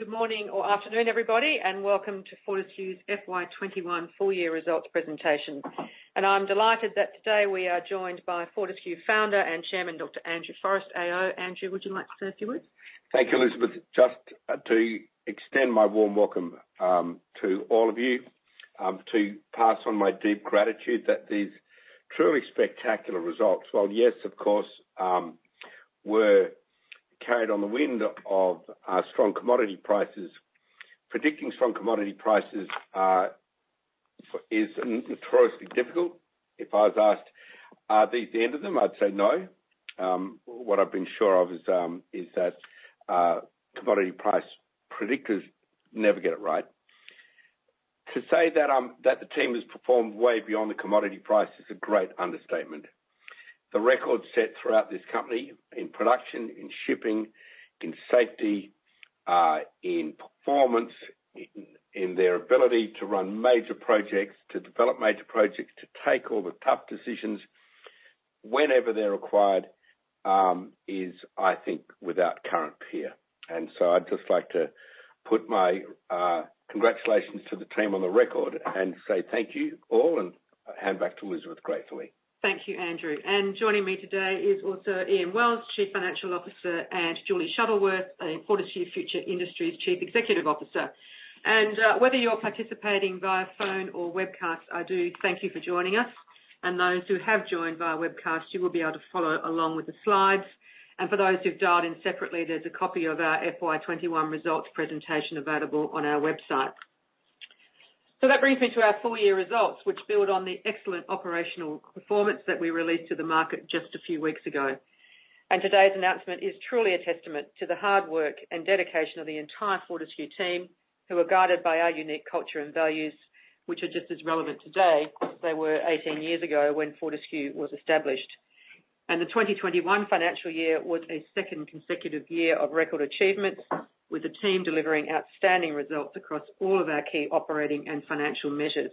Good morning or afternoon, everybody, and welcome to Fortescue's FY21 full-year results presentation. I am delighted that today we are joined by Fortescue founder and chairman, Dr. Andrew Forrest, AO. Andrew, would you like to say a few words? Thank you, Elizabeth. Just to extend my warm welcome to all of you, to pass on my deep gratitude that these truly spectacular results—yes, of course—were carried on the wind of strong commodity prices. Predicting strong commodity prices is notoriously difficult. If I was asked, "Are these the end of them?" I'd say no. What I've been sure of is that commodity price predictors never get it right. To say that the team has performed way beyond the commodity price is a great understatement. The records set throughout this company in production, in shipping, in safety, in performance, in their ability to run major projects, to develop major projects, to take all the tough decisions whenever they're required is, I think, without current peer. I'd just like to put my congratulations to the team on the record and say thank you all and hand back to Elizabeth gratefully. Thank you, Andrew. Joining me today is also Ian Wells, Chief Financial Officer, and Julie Shuttleworth, Fortescue Future Industries Chief Executive Officer. Whether you're participating via phone or webcast, I do thank you for joining us. Those who have joined via webcast, you will be able to follow along with the slides. For those who've dialed in separately, there is a copy of our FY21 results presentation available on our website. That brings me to our full-year results, which build on the excellent operational performance that we released to the market just a few weeks ago. Today's announcement is truly a testament to the hard work and dedication of the entire Fortescue team, who are guided by our unique culture and values, which are just as relevant today as they were 18 years ago when Fortescue was established. The 2021 financial year was a second consecutive year of record achievements, with the team delivering outstanding results across all of our key operating and financial measures.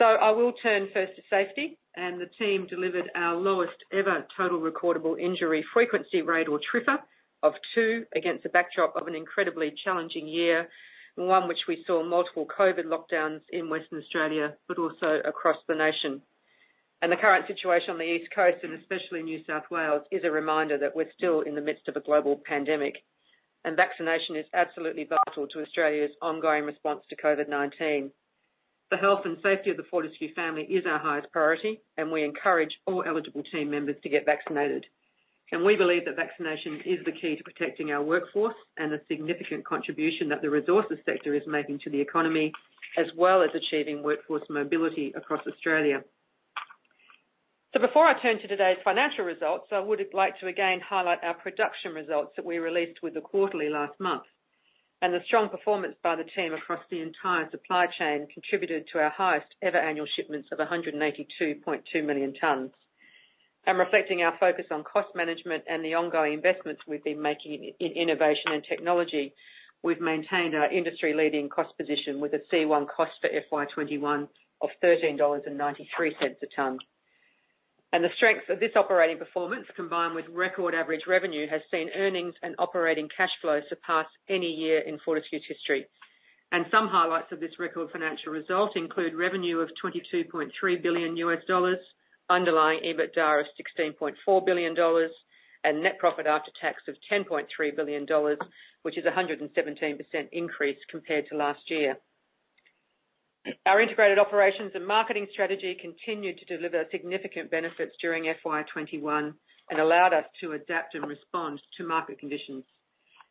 I will turn first to safety. The team delivered our lowest ever Total Recordable Injury Frequency Rate, or TRIFR, of 2 against the backdrop of an incredibly challenging year, one in which we saw multiple COVID lockdowns in Western Australia, but also across the nation. The current situation on the East Coast, and especially New South Wales, is a reminder that we're still in the midst of a global pandemic. Vaccination is absolutely vital to Australia's ongoing response to COVID-19. The health and safety of the Fortescue family is our highest priority, and we encourage all eligible team members to get vaccinated. We believe that vaccination is the key to protecting our workforce and the significant contribution that the resources sector is making to the economy, as well as achieving workforce mobility across Australia. Before I turn to today's financial results, I would like to again highlight our production results that we released with the quarterly last month. The strong performance by the team across the entire supply chain contributed to our highest ever annual shipments of 182.2 million tons. Reflecting our focus on cost management and the ongoing investments we have been making in innovation and technology, we have maintained our industry-leading cost position with a C1 cost for FY2021 of AUD 13.93 a ton. The strength of this operating performance, combined with record average revenue, has seen earnings and operating cash flow surpass any year in Fortescue's history. Some highlights of this record financial result include revenue of $22.3 billion, underlying EBITDA of $16.4 billion, and net profit after tax of $10.3 billion, which is a 117% increase compared to last year. Our integrated operations and marketing strategy continued to deliver significant benefits during FY2021 and allowed us to adapt and respond to market conditions.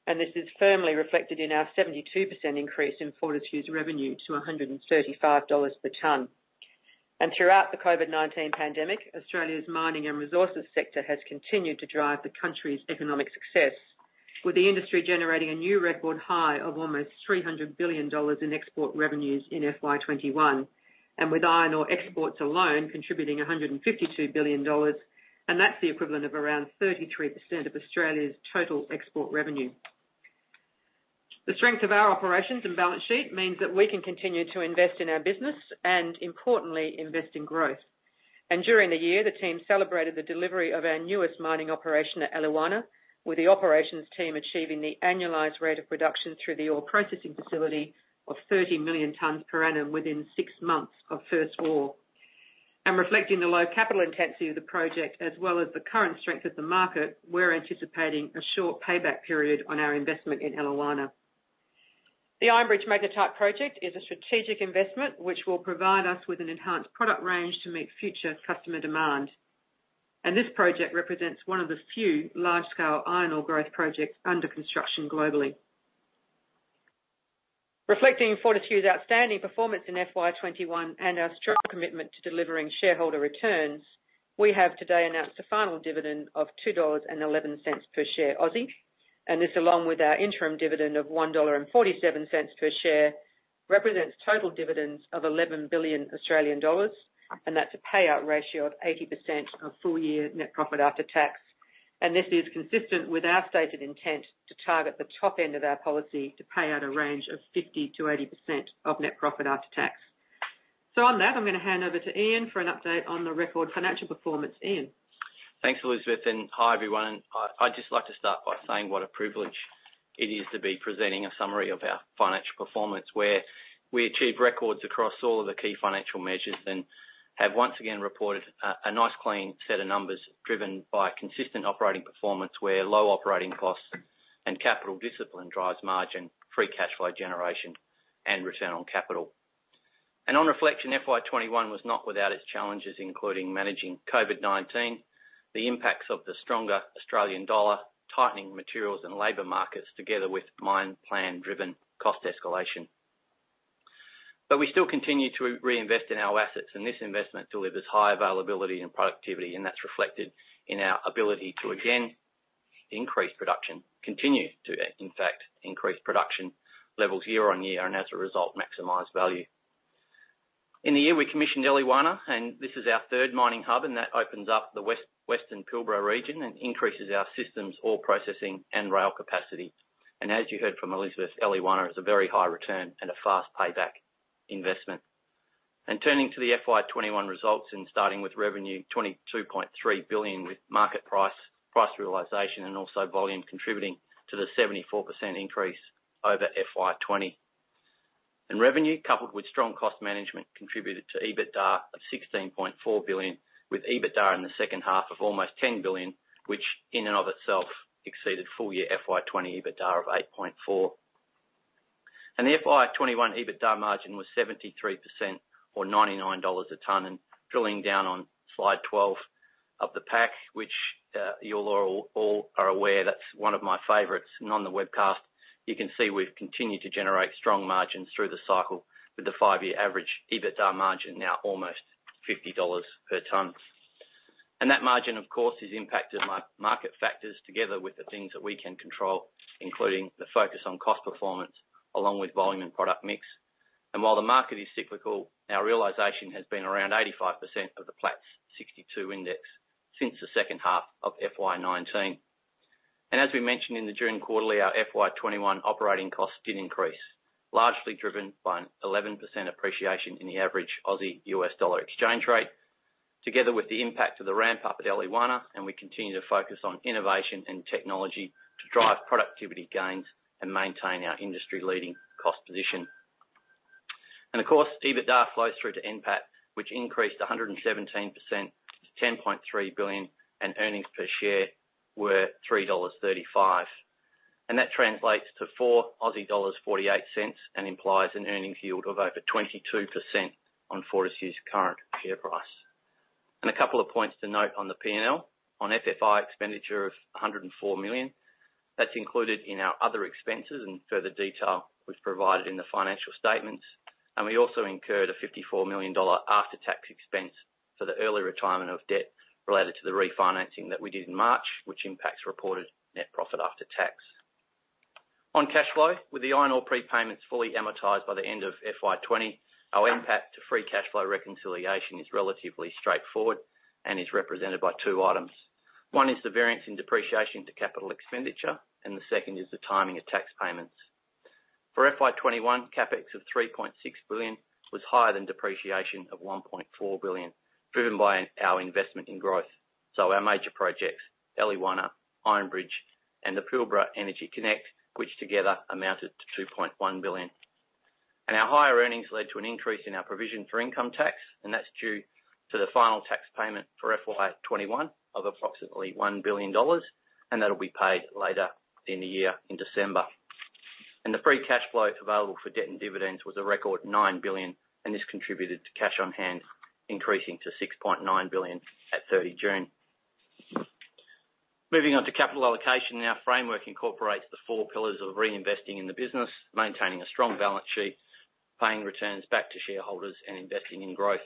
This is firmly reflected in our 72% increase in Fortescue's revenue to $135 per ton. Throughout the COVID-19 pandemic, Australia's mining and resources sector has continued to drive the country's economic success, with the industry generating a new record high of almost 300 billion dollars in export revenues in FY2021, and with iron ore exports alone contributing 152 billion dollars. That is the equivalent of around 33% of Australia's total export revenue. The strength of our operations and balance sheet means that we can continue to invest in our business and, importantly, invest in growth. During the year, the team celebrated the delivery of our newest mining operation at Eliwana, with the operations team achieving the annualized rate of production through the ore processing facility of 30 million tonnes per annum within six months of first ore. Reflecting the low capital intensity of the project, as well as the current strength of the market, we're anticipating a short payback period on our investment in Eliwana. The Iron Bridge Megatite project is a strategic investment which will provide us with an enhanced product range to meet future customer demand. This project represents one of the few large-scale iron ore growth projects under construction globally. Reflecting Fortescue's outstanding performance in FY2021 and our strong commitment to delivering shareholder returns, we have today announced a final dividend of 2.11 dollars per share. This, along with our interim dividend of 1.47 dollar per share, represents total dividends of 11 billion Australian dollars. That is a payout ratio of 80% of full-year net profit after tax. This is consistent with our stated intent to target the top end of our policy to pay out a range of 50%-80% of net profit after tax. On that, I am going to hand over to Ian for an update on the record financial performance. Ian. Thanks, Elizabeth. Hi, everyone. I'd just like to start by saying what a privilege it is to be presenting a summary of our financial performance, where we achieved records across all of the key financial measures and have once again reported a nice clean set of numbers driven by consistent operating performance, where low operating costs and capital discipline drives margin, free cash flow generation, and return on capital. On reflection, FY2021 was not without its challenges, including managing COVID-19, the impacts of the stronger Australian dollar, tightening materials and labor markets, together with mine plan driven cost escalation. We still continue to reinvest in our assets, and this investment delivers high availability and productivity. That's reflected in our ability to again increase production, continue to, in fact, increase production levels year on year and, as a result, maximize value. In the year, we commissioned Eliwana, and this is our third mining hub, and that opens up the Western Pilbara region and increases our systems, ore processing, and rail capacity. As you heard from Elizabeth, Eliwana is a very high return and a fast payback investment. Turning to the FY2021 results and starting with revenue, $22.3 billion with market price realisation and also volume contributing to the 74% increase over FY2020. Revenue, coupled with strong cost management, contributed to EBITDA of $16.4 billion, with EBITDA in the second half of almost $10 billion, which in and of itself exceeded full-year FY2020 EBITDA of $8.4 billion. The FY2021 EBITDA margin was 73% or $99 a tonne. Drilling down on slide 12 of the pack, which you all are aware, that's one of my favourites. On the webcast, you can see we have continued to generate strong margins through the cycle with the five-year average EBITDA margin now almost $50 per tonne. That margin, of course, is impacted by market factors together with the things that we can control, including the focus on cost performance along with volume and product mix. While the market is cyclical, our realisation has been around 85% of the Platts 62% index since the second half of FY2019. As we mentioned in the June quarterly, our FY2021 operating costs did increase, largely driven by an 11% appreciation in the average AUD/USD exchange rate, together with the impact of the ramp-up at Eliwana. We continue to focus on innovation and technology to drive productivity gains and maintain our industry-leading cost position. EBITDA flows through to NPAT, which increased 117% to $10.3 billion, and earnings per share were $3.35. That translates to 4.48 Aussie dollars and implies an earnings yield of over 22% on Fortescue's current share price. A couple of points to note on the P&L, on FFI expenditure of $104 million. That is included in our other expenses and further detail we have provided in the financial statements. We also incurred a $54 million after-tax expense for the early retirement of debt related to the refinancing that we did in March, which impacts reported net profit after tax. On cash flow, with the iron ore prepayments fully amortized by the end of FY2020, our impact to free cash flow reconciliation is relatively straightforward and is represented by two items. One is the variance in depreciation to capital expenditure, and the second is the timing of tax payments. For FY21, CapEx of $3.6 billion was higher than depreciation of $1.4 billion, driven by our investment in growth. Our major projects, Eliwana, Iron Bridge, and the Pilbara Energy Connect, which together amounted to $2.1 billion. Our higher earnings led to an increase in our provision for income tax, and that's due to the final tax payment for FY21 of approximately $1 billion, and that'll be paid later in the year in December. The free cash flow available for debt and dividends was a record $9 billion, and this contributed to cash on hand increasing to $6.9 billion at 30 June. Moving on to capital allocation, our framework incorporates the four pillars of reinvesting in the business, maintaining a strong balance sheet, paying returns back to shareholders, and investing in growth.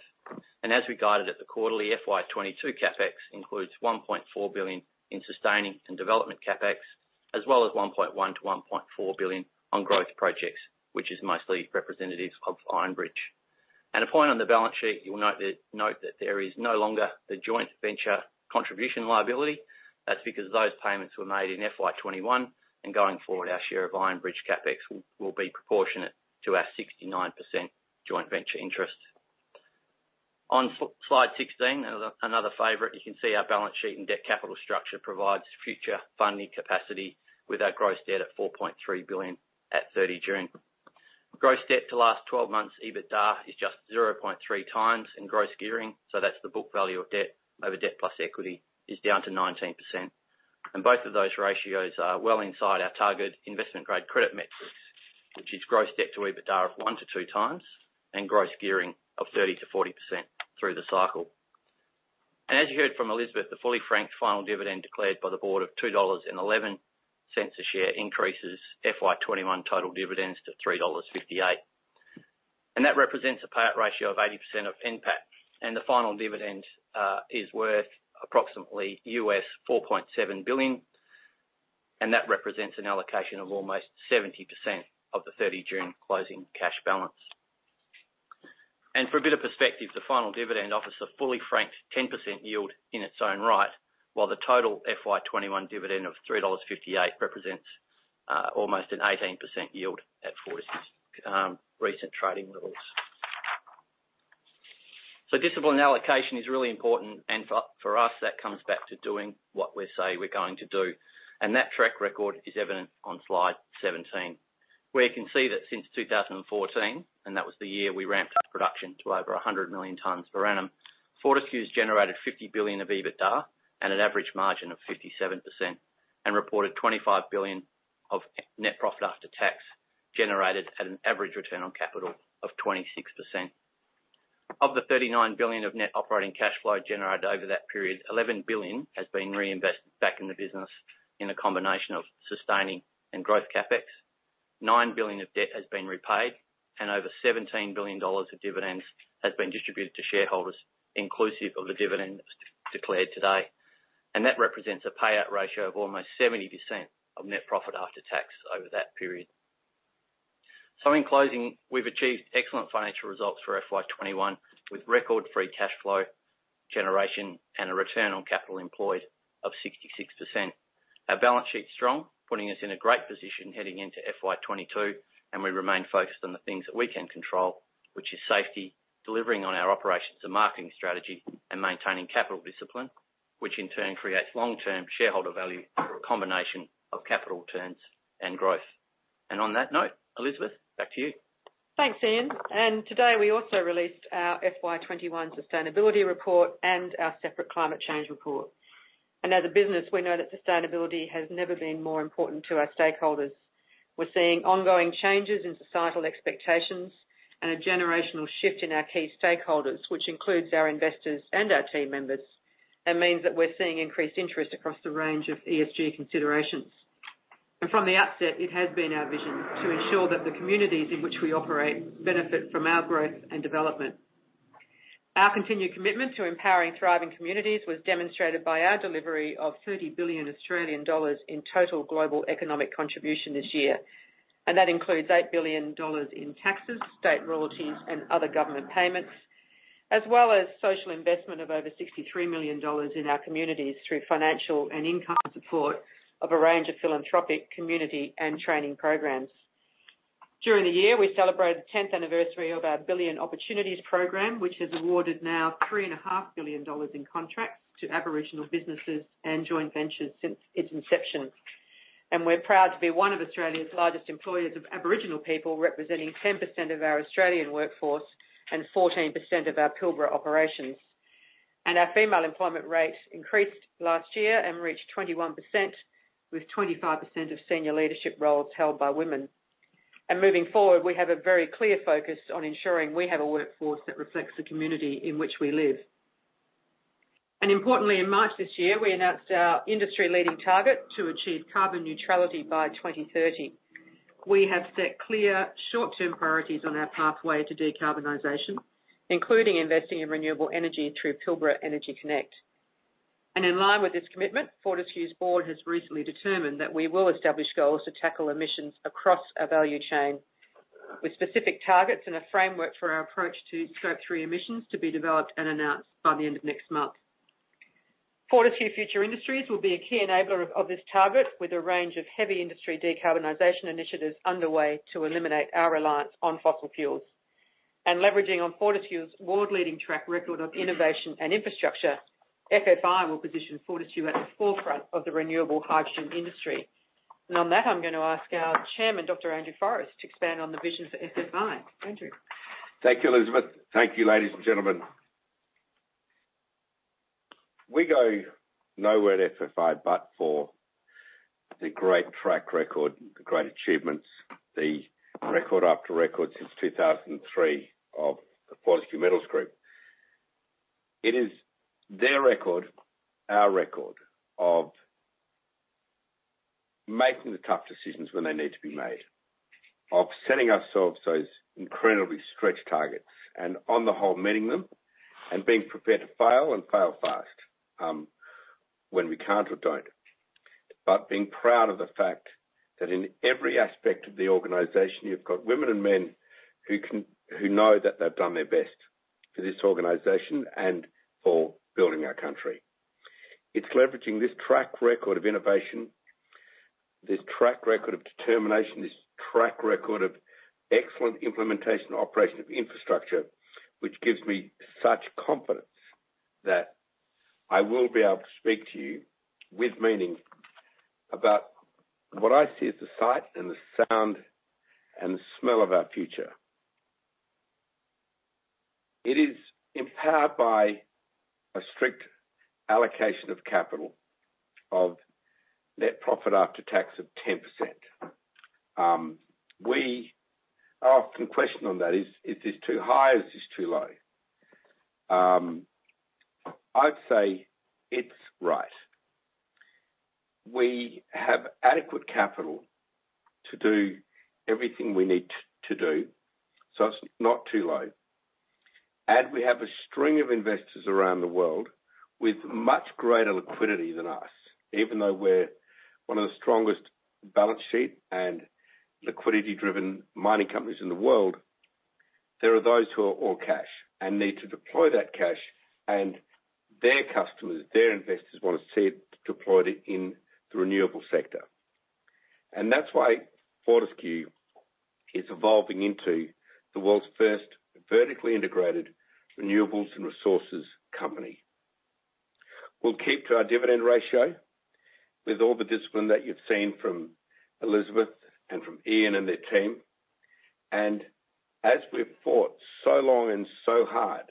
As we guided at the quarterly, FY22 CapEx includes 1.4 billion in sustaining and development CapEx, as well as 1.1-1.4 billion on growth projects, which is mostly representative of Iron Bridge. A point on the balance sheet, you'll note that there is no longer the joint venture contribution liability. That is because those payments were made in FY21, and going forward, our share of Iron Bridge CapEx will be proportionate to our 69% joint venture interest. On slide 16, another favorite, you can see our balance sheet and debt capital structure provides future funding capacity with our gross debt at 4.3 billion at 30 June. Gross debt to last 12 months EBITDA is just 0.3 times in gross gearing. That is the book value of debt over debt plus equity is down to 19%. Both of those ratios are well inside our target investment-grade credit metrics, which is gross debt to EBITDA of 1-2 times and gross gearing of 30%-40% through the cycle. As you heard from Elizabeth, the fully franked final dividend declared by the board of 2.11 dollars a share increases FY21 total dividends to 3.58 dollars. That represents a payout ratio of 80% of NPAT. The final dividend is worth approximately $4.7 billion. That represents an allocation of almost 70% of the 30 June closing cash balance. For a bit of perspective, the final dividend offers a fully franked 10% yield in its own right, while the total FY21 dividend of 3.58 dollars represents almost an 18% yield at Fortescue's recent trading levels. Discipline allocation is really important. For us, that comes back to doing what we say we are going to do. That track record is evident on slide 17, where you can see that since 2014, and that was the year we ramped up production to over 100 million tonnes per annum, Fortescue has generated $50 billion of EBITDA and an average margin of 57%, and reported $25 billion of net profit after tax generated at an average return on capital of 26%. Of the $39 billion of net operating cash flow generated over that period, $11 billion has been reinvested back in the business in a combination of sustaining and growth CapEx. $9 billion of debt has been repaid, and over $17 billion of dividends has been distributed to shareholders, inclusive of the dividend declared today. That represents a payout ratio of almost 70% of net profit after tax over that period. In closing, we've achieved excellent financial results for FY2021 with record free cash flow generation and a return on capital employed of 66%. Our balance sheet is strong, putting us in a great position heading into FY2022. We remain focused on the things that we can control, which is safety, delivering on our operations and marketing strategy, and maintaining capital discipline, which in turn creates long-term shareholder value, a combination of capital turns and growth. On that note, Elizabeth, back to you. Thanks, Ian. Today we also released our FY21 sustainability report and our separate climate change report. As a business, we know that sustainability has never been more important to our stakeholders. We're seeing ongoing changes in societal expectations and a generational shift in our key stakeholders, which includes our investors and our team members. That means that we're seeing increased interest across the range of ESG considerations. From the outset, it has been our vision to ensure that the communities in which we operate benefit from our growth and development. Our continued commitment to empowering thriving communities was demonstrated by our delivery of 30 billion Australian dollars in total global economic contribution this year. That includes 8 billion dollars in taxes, state royalties, and other government payments, as well as social investment of over 63 million dollars in our communities through financial and income support of a range of philanthropic community and training programs. During the year, we celebrated the 10th anniversary of our Billion Opportunities Program, which has awarded now 3.5 billion dollars in contracts to Aboriginal businesses and joint ventures since its inception. We are proud to be one of Australia's largest employers of Aboriginal people, representing 10% of our Australian workforce and 14% of our Pilbara operations. Our female employment rate increased last year and reached 21%, with 25% of senior leadership roles held by women. Moving forward, we have a very clear focus on ensuring we have a workforce that reflects the community in which we live. Importantly, in March this year, we announced our industry-leading target to achieve carbon neutrality by 2030. We have set clear short-term priorities on our pathway to decarbonization, including investing in renewable energy through Pilbara Energy Connect. In line with this commitment, Fortescue's board has recently determined that we will establish goals to tackle emissions across our value chain, with specific targets and a framework for our approach to scope three emissions to be developed and announced by the end of next month. Fortescue Future Industries will be a key enabler of this target, with a range of heavy industry decarbonization initiatives underway to eliminate our reliance on fossil fuels. Leveraging on Fortescue's world-leading track record of innovation and infrastructure, FFI will position Fortescue at the forefront of the renewable hydrogen industry. On that, I'm going to ask our Chairman, Dr. Andrew Forrest, to expand on the vision for FFI. Andrew. Thank you, Elizabeth. Thank you, ladies and gentlemen. We go nowhere at FFI but for the great track record, the great achievements, the record after record since 2003 of the Fortescue Metals Group. It is their record, our record, of making the tough decisions when they need to be made, of setting ourselves those incredibly stretched targets, and on the whole, meeting them and being prepared to fail and fail fast when we can't or don't, but being proud of the fact that in every aspect of the organization, you've got women and men who know that they've done their best for this organization and for building our country. It's leveraging this track record of innovation, this track record of determination, this track record of excellent implementation and operation of infrastructure, which gives me such confidence that I will be able to speak to you with meaning about what I see as the sight and the sound and the smell of our future. It is empowered by a strict allocation of capital, of net profit after tax of 10%. We are often questioned on that. Is this too high? Is this too low? I'd say it's right. We have adequate capital to do everything we need to do, so it's not too low. We have a string of investors around the world with much greater liquidity than us. Even though we're one of the strongest balance sheet and liquidity-driven mining companies in the world, there are those who are all cash and need to deploy that cash, and their customers, their investors want to see it deployed in the renewable sector. That is why Fortescue is evolving into the world's first vertically integrated renewables and resources company. We'll keep to our dividend ratio with all the discipline that you've seen from Elizabeth and from Ian and their team. As we've fought so long and so hard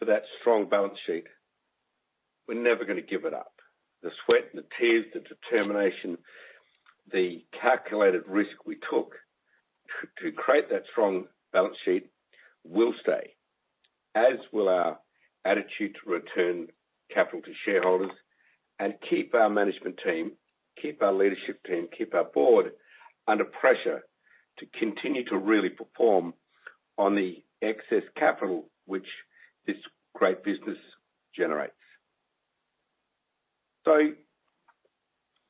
for that strong balance sheet, we're never going to give it up. The sweat and the tears, the determination, the calculated risk we took to create that strong balance sheet will stay, as will our attitude to return capital to shareholders and keep our management team, keep our leadership team, keep our board under pressure to continue to really perform on the excess capital which this great business generates.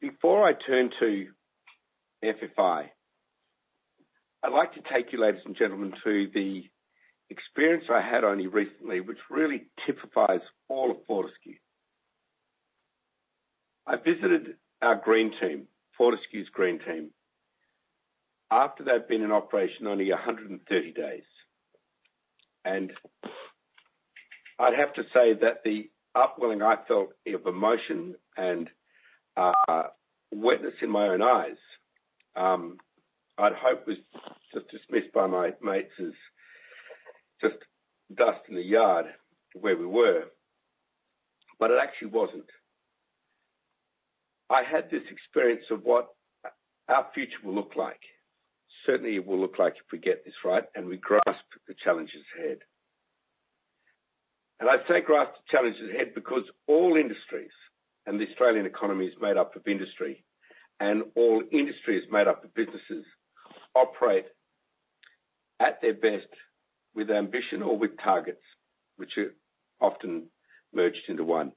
Before I turn to FFI, I'd like to take you, ladies and gentlemen, to the experience I had only recently, which really typifies all of Fortescue. I visited our green team, Fortescue's green team, after they'd been in operation only 130 days. I'd have to say that the upwelling I felt of emotion and witness in my own eyes, I'd hope was just dismissed by my mates as just dust in the yard where we were, but it actually wasn't. I had this experience of what our future will look like. Certainly, it will look like if we get this right and we grasp the challenges ahead. I say grasp the challenges ahead because all industries, and the Australian economy is made up of industry, and all industries made up of businesses operate at their best with ambition or with targets, which are often merged into one.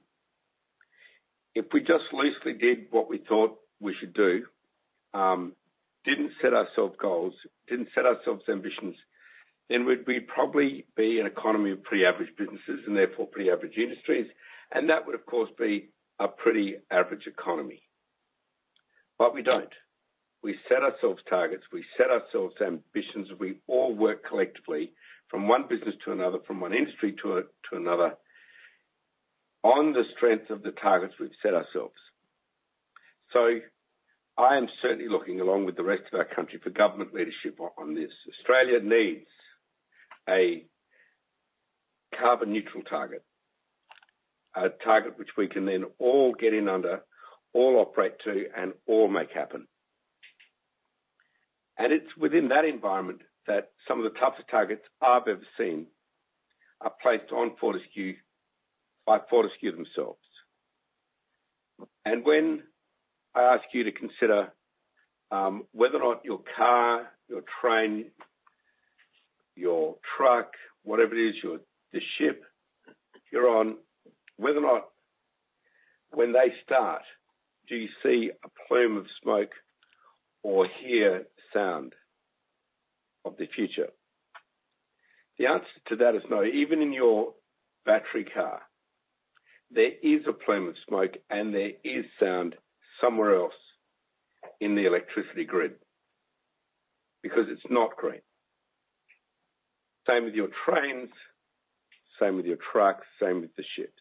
If we just loosely did what we thought we should do, did not set ourselves goals, did not set ourselves ambitions, then we would probably be an economy of pretty average businesses and therefore pretty average industries. That would, of course, be a pretty average economy. We do not. We set ourselves targets. We set ourselves ambitions. We all work collectively from one business to another, from one industry to another, on the strength of the targets we have set ourselves. I am certainly looking along with the rest of our country for government leadership on this. Australia needs a carbon neutral target, a target which we can then all get in under, all operate to, and all make happen. It is within that environment that some of the toughest targets I have ever seen are placed on Fortescue by Fortescue themselves. When I ask you to consider whether or not your car, your train, your truck, whatever it is, the ship you are on, whether or not when they start, do you see a plume of smoke or hear sound of the future? The answer to that is no. Even in your battery car, there is a plume of smoke and there is sound somewhere else in the electricity grid because it is not green. Same with your trains, same with your trucks, same with the ships.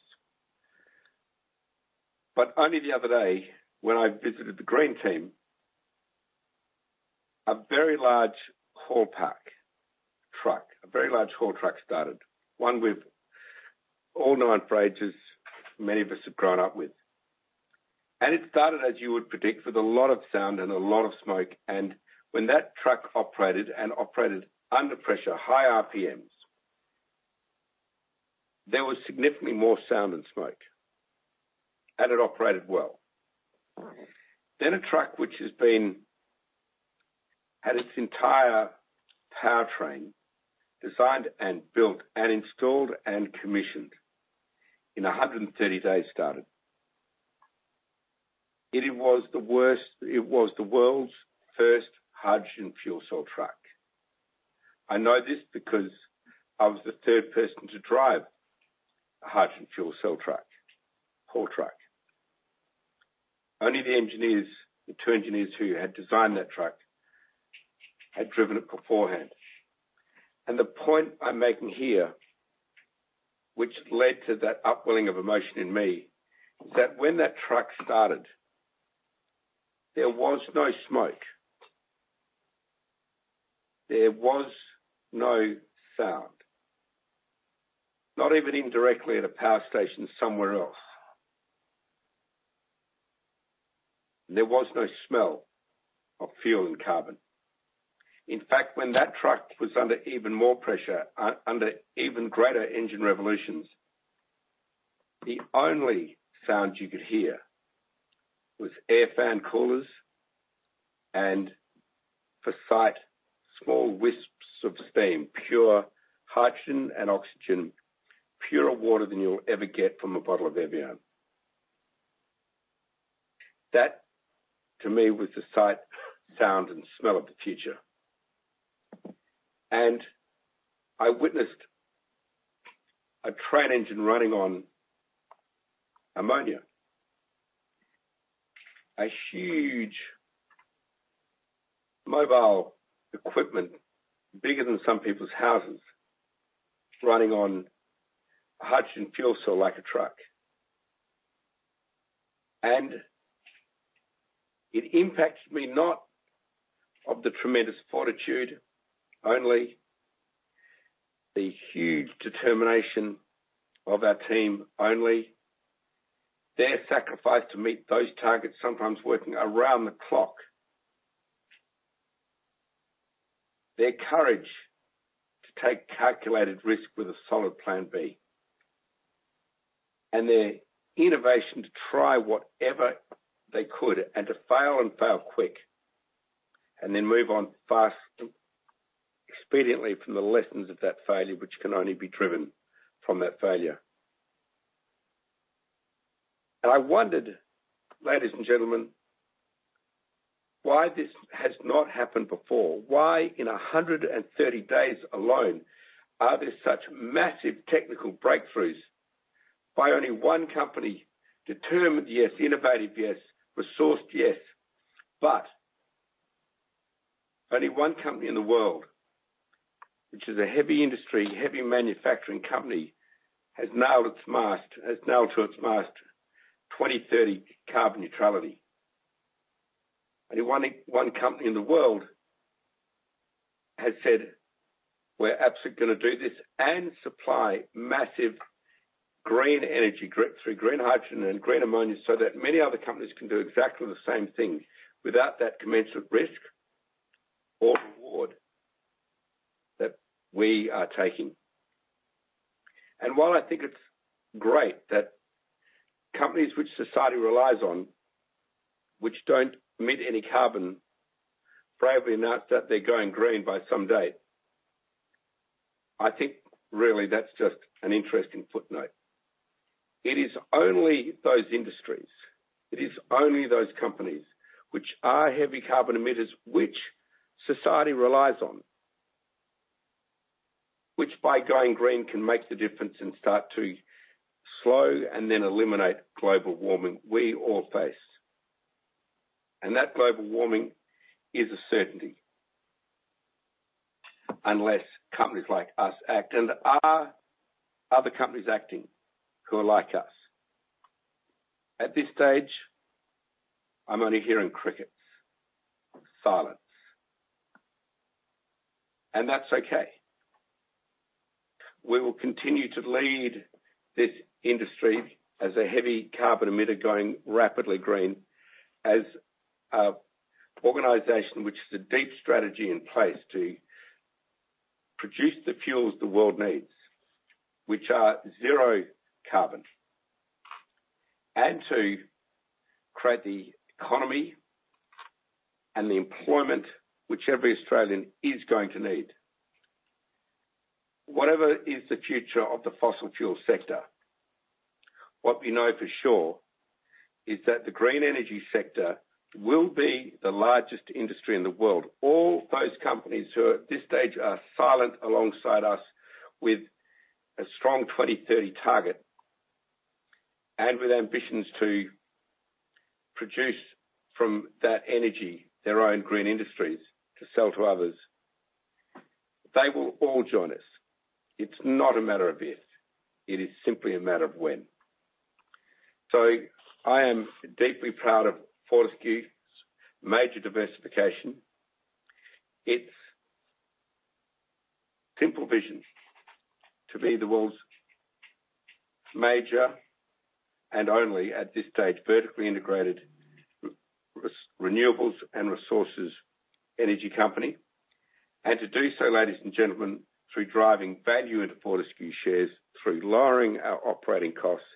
Only the other day, when I visited the green team, a very large haul pack truck, a very large haul truck started, one with all nine fridges many of us have grown up with. It started, as you would predict, with a lot of sound and a lot of smoke. When that truck operated and operated under pressure, high RPMs, there was significantly more sound and smoke, and it operated well. A truck which had its entire powertrain designed and built and installed and commissioned in 130 days started. It was the world's first hydrogen fuel cell truck. I know this because I was the third person to drive a hydrogen fuel cell truck, haul truck. Only the two engineers who had designed that truck had driven it beforehand. The point I'm making here, which led to that upwelling of emotion in me, is that when that truck started, there was no smoke. There was no sound, not even indirectly at a power station somewhere else. There was no smell of fuel and carbon. In fact, when that truck was under even more pressure, under even greater engine revolutions, the only sound you could hear was air fan coolers and, for sight, small wisps of steam, pure hydrogen and oxygen, purer water than you'll ever get from a bottle of Evian. That, to me, was the sight, sound, and smell of the future. I witnessed a train engine running on ammonia, a huge mobile equipment bigger than some people's houses, running on hydrogen fuel cell like a truck. It impacted me not of the tremendous fortitude only, the huge determination of our team only, their sacrifice to meet those targets, sometimes working around the clock, their courage to take calculated risk with a solid plan B, and their innovation to try whatever they could and to fail and fail quick and then move on fast, expediently from the lessons of that failure, which can only be driven from that failure. I wondered, ladies and gentlemen, why this has not happened before. Why, in 130 days alone, are there such massive technical breakthroughs by only one company determined, yes, innovative, yes, resourced, yes, but only one company in the world, which is a heavy industry, heavy manufacturing company, has nailed its mast, has nailed to its mast 2030 carbon neutrality. Only one company in the world has said, "We're absolutely going to do this and supply massive green energy grids through green hydrogen and green ammonia so that many other companies can do exactly the same thing without that commensurate risk or reward that we are taking." While I think it's great that companies which society relies on, which don't emit any carbon, bravely announce that they're going green by some date, I think really that's just an interesting footnote. It is only those industries, it is only those companies which are heavy carbon emitters, which society relies on, which by going green can make the difference and start to slow and then eliminate global warming we all face. That global warming is a certainty unless companies like us act and are other companies acting who are like us. At this stage, I'm only hearing crickets, silence. That is okay. We will continue to lead this industry as a heavy carbon emitter going rapidly green as an organization which has a deep strategy in place to produce the fuels the world needs, which are zero carbon, and to create the economy and the employment which every Australian is going to need. Whatever is the future of the fossil fuel sector, what we know for sure is that the green energy sector will be the largest industry in the world. All those companies who at this stage are silent alongside us with a strong 2030 target and with ambitions to produce from that energy their own green industries to sell to others, they will all join us. It is not a matter of if. It is simply a matter of when. I am deeply proud of Fortescue's major diversification. It's simple vision to be the world's major and only, at this stage, vertically integrated renewables and resources energy company. To do so, ladies and gentlemen, through driving value into Fortescue shares, through lowering our operating costs,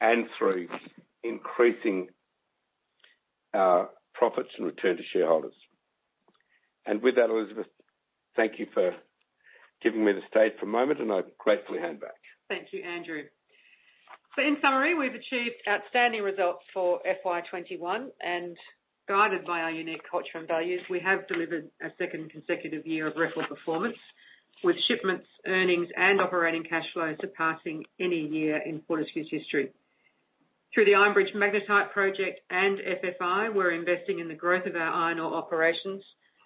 and through increasing our profits and return to shareholders. With that, Elizabeth, thank you for giving me the stage for a moment, and I'll gratefully hand back. Thank you, Andrew. In summary, we've achieved outstanding results for FY21, and guided by our unique culture and values, we have delivered a second consecutive year of record performance with shipments, earnings, and operating cash flow surpassing any year in Fortescue's history. Through the Iron Bridge Magnetite project and FFI, we're investing in the growth of our iron ore operations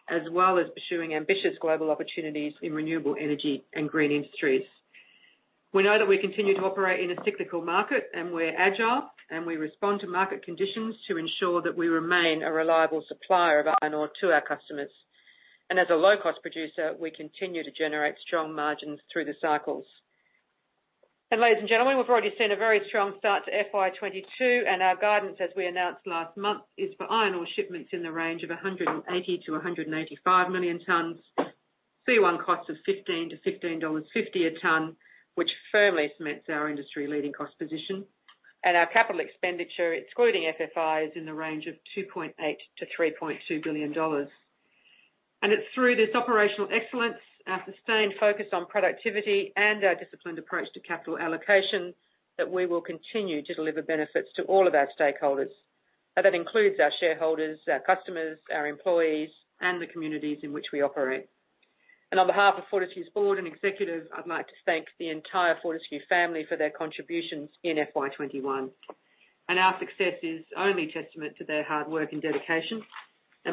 as well as pursuing ambitious global opportunities in renewable energy and green industries. We know that we continue to operate in a cyclical market, and we are agile, and we respond to market conditions to ensure that we remain a reliable supplier of iron ore to our customers. As a low-cost producer, we continue to generate strong margins through the cycles. Ladies and gentlemen, we have already seen a very strong start to FY2022, and our guidance, as we announced last month, is for iron ore shipments in the range of 180-185 million tons, C1 costs of $15-$15.50 a ton, which firmly cements our industry-leading cost position. Our capital expenditure, excluding FFI, is in the range of $2.8-$3.2 billion. It is through this operational excellence, our sustained focus on productivity, and our disciplined approach to capital allocation that we will continue to deliver benefits to all of our stakeholders. That includes our shareholders, our customers, our employees, and the communities in which we operate. On behalf of Fortescue's board and executive, I'd like to thank the entire Fortescue family for their contributions in FY21. Our success is only a testament to their hard work and dedication.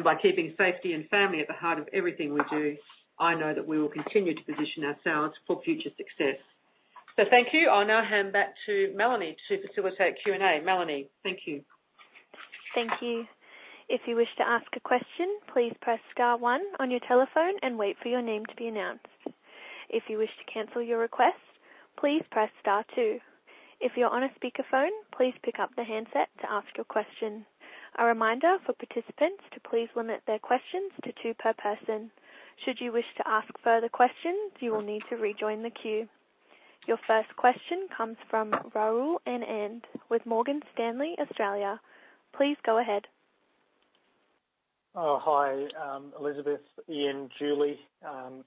By keeping safety and family at the heart of everything we do, I know that we will continue to position ourselves for future success. Thank you. I'll now hand back to Melanie to facilitate Q&A. Melanie, thank you. Thank you. If you wish to ask a question, please press star one on your telephone and wait for your name to be announced. If you wish to cancel your request, please press star two. If you're on a speakerphone, please pick up the handset to ask your question. A reminder for participants to please limit their questions to two per person. Should you wish to ask further questions, you will need to rejoin the queue. Your first question comes from Rahul Anand, with Morgan Stanley, Australia. Please go ahead. Hi, Elizabeth, Ian, Julie,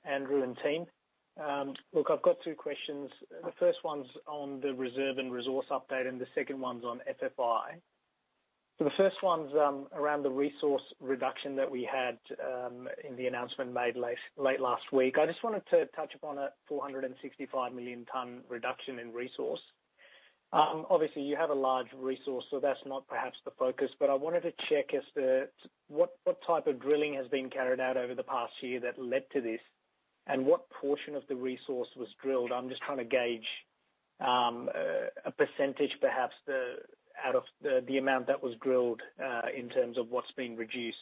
Andrew, and team. Look, I've got two questions. The first one's on the reserve and resource update, and the second one's on FFI. The first one's around the resource reduction that we had in the announcement made late last week. I just wanted to touch upon a 465 million ton reduction in resource. Obviously, you have a large resource, so that's not perhaps the focus. I wanted to check what type of drilling has been carried out over the past year that led to this, and what portion of the resource was drilled. I'm just trying to gauge a percentage, perhaps, out of the amount that was drilled in terms of what's been reduced.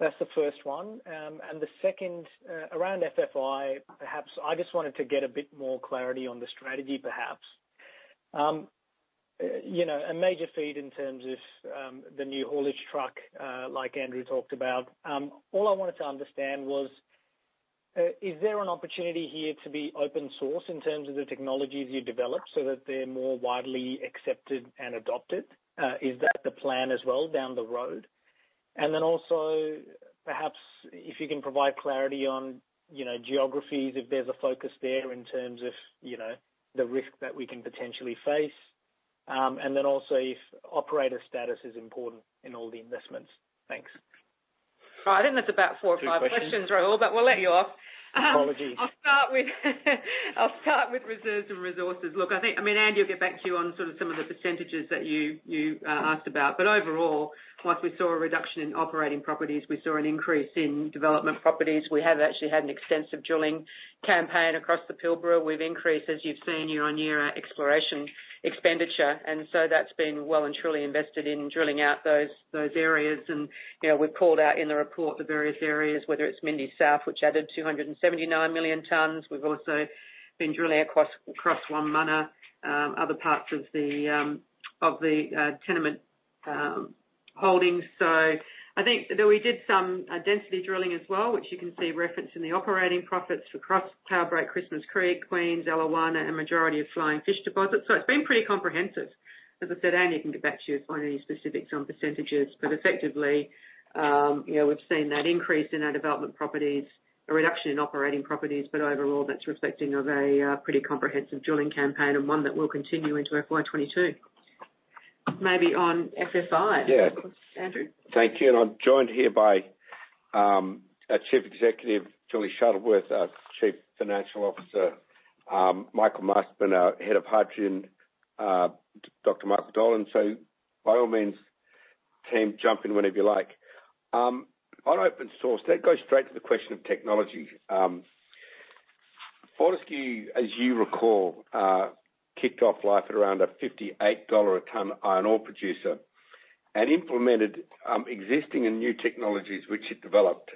That's the first one. The second, around FFI, perhaps I just wanted to get a bit more clarity on the strategy, perhaps. A major feed in terms of the new haulage truck, like Andrew talked about. All I wanted to understand was, is there an opportunity here to be open source in terms of the technologies you develop so that they're more widely accepted and adopted? Is that the plan as well down the road? Also, perhaps if you can provide clarity on geographies, if there's a focus there in terms of the risk that we can potentially face. Also, if operator status is important in all the investments. Thanks. I think that's about four or five questions, Raul. We'll let you off. Apologies. I'll start with reserves and resources. Look, I mean, Andy, we'll get back to you on sort of some of the % that you asked about. Overall, once we saw a reduction in operating properties, we saw an increase in development properties. We have actually had an extensive drilling campaign across the Pilbara. We've increased, as you've seen, year on year our exploration expenditure. That has been well and truly invested in drilling out those areas. We've called out in the report the various areas, whether it's Mindy South, which added 279 million tons. We've also been drilling across Wonmunna, other parts of the tenement holdings. I think that we did some density drilling as well, which you can see referenced in the operating profits across Cloudbreak, Christmas Creek, Queens, Eliwana, and majority of Flying Fish deposits. It's been pretty comprehensive. As I said, Andy, you can get back to you on any specifics on %. But effectively, we've seen that increase in our development properties, a reduction in operating properties, but overall, that's reflecting of a pretty comprehensive drilling campaign and one that will continue into FY2022. Maybe on FFI, of course. Andrew? Thank you. I am joined here by our Chief Executive Officer, Julie Shuttleworth, our Chief Financial Officer, Michael Masterman, our Head of Hydrogen, Dr. Michael Dolan. By all means, team, jump in whenever you like. On open source, let's go straight to the question of technology. Fortescue, as you recall, kicked off life at around a $58 a ton iron ore producer and implemented existing and new technologies which it developed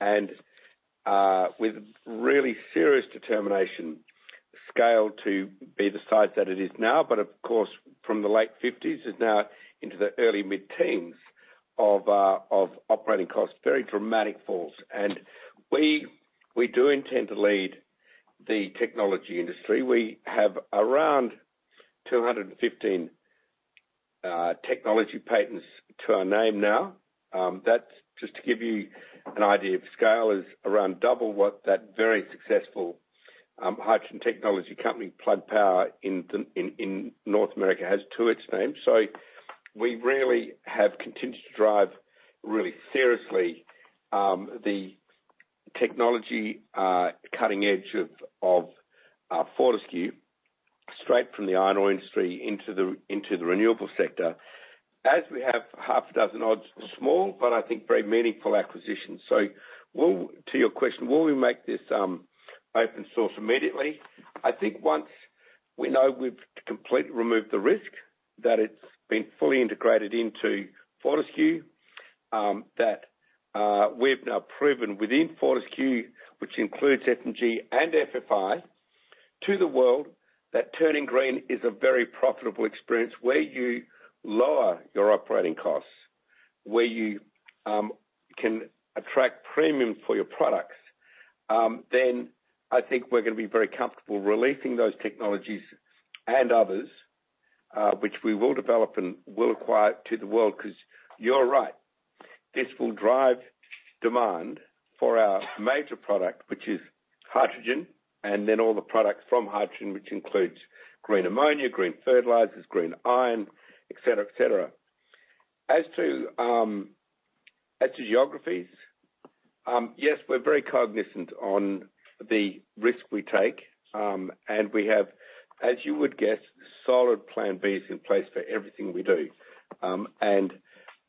and, with really serious determination, scaled to be the size that it is now. Of course, from the late 1950s now into the early mid-teens of operating costs, very dramatic falls. We do intend to lead the technology industry. We have around 215 technology patents to our name now. That's just to give you an idea of scale, it is around double what that very successful hydrogen technology company, Plug Power, in North America has to its name. We really have continued to drive really seriously the technology cutting edge of Fortescue straight from the iron ore industry into the renewable sector, as we have half a dozen or so small but I think very meaningful acquisitions. To your question, will we make this open source immediately? I think once we know we have completely removed the risk that it has been fully integrated into Fortescue, that we have now proven within Fortescue, which includes FMG and FFI, to the world that turning green is a very profitable experience where you lower your operating costs, where you can attract premium for your products, then I think we are going to be very comfortable releasing those technologies and others, which we will develop and will acquire to the world because you are right. This will drive demand for our major product, which is hydrogen, and then all the products from hydrogen, which includes green ammonia, green fertilisers, green iron, etc., etc. As to geographies, yes, we are very cognizant on the risk we take. We have, as you would guess, solid plan Bs in place for everything we do.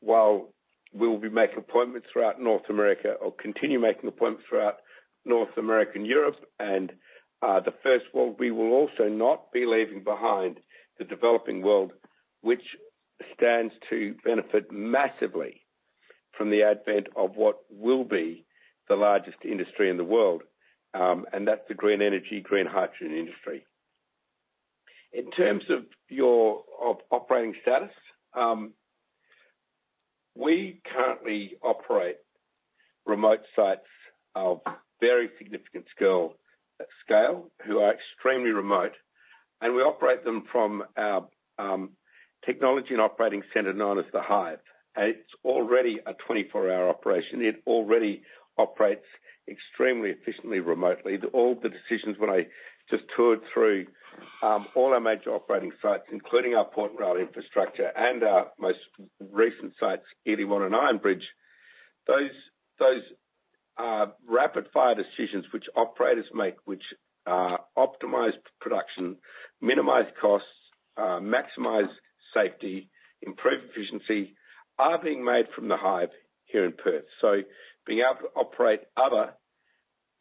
While we will be making appointments throughout North America or continue making appointments throughout North America and Europe and the first world, we will also not be leaving behind the developing world, which stands to benefit massively from the advent of what will be the largest industry in the world. That is the green energy, green hydrogen industry. In terms of operating status, we currently operate remote sites of very significant scale who are extremely remote. We operate them from our technology and operating centre known as the Hive. It is already a 24-hour operation. It already operates extremely efficiently remotely. All the decisions when I just toured through all our major operating sites, including our Port and Rail infrastructure and our most recent sites, Eliwana and Iron Bridge, those rapid-fire decisions which operators make, which optimize production, minimize costs, maximize safety, improve efficiency, are being made from the Hive here in Perth. Being able to operate other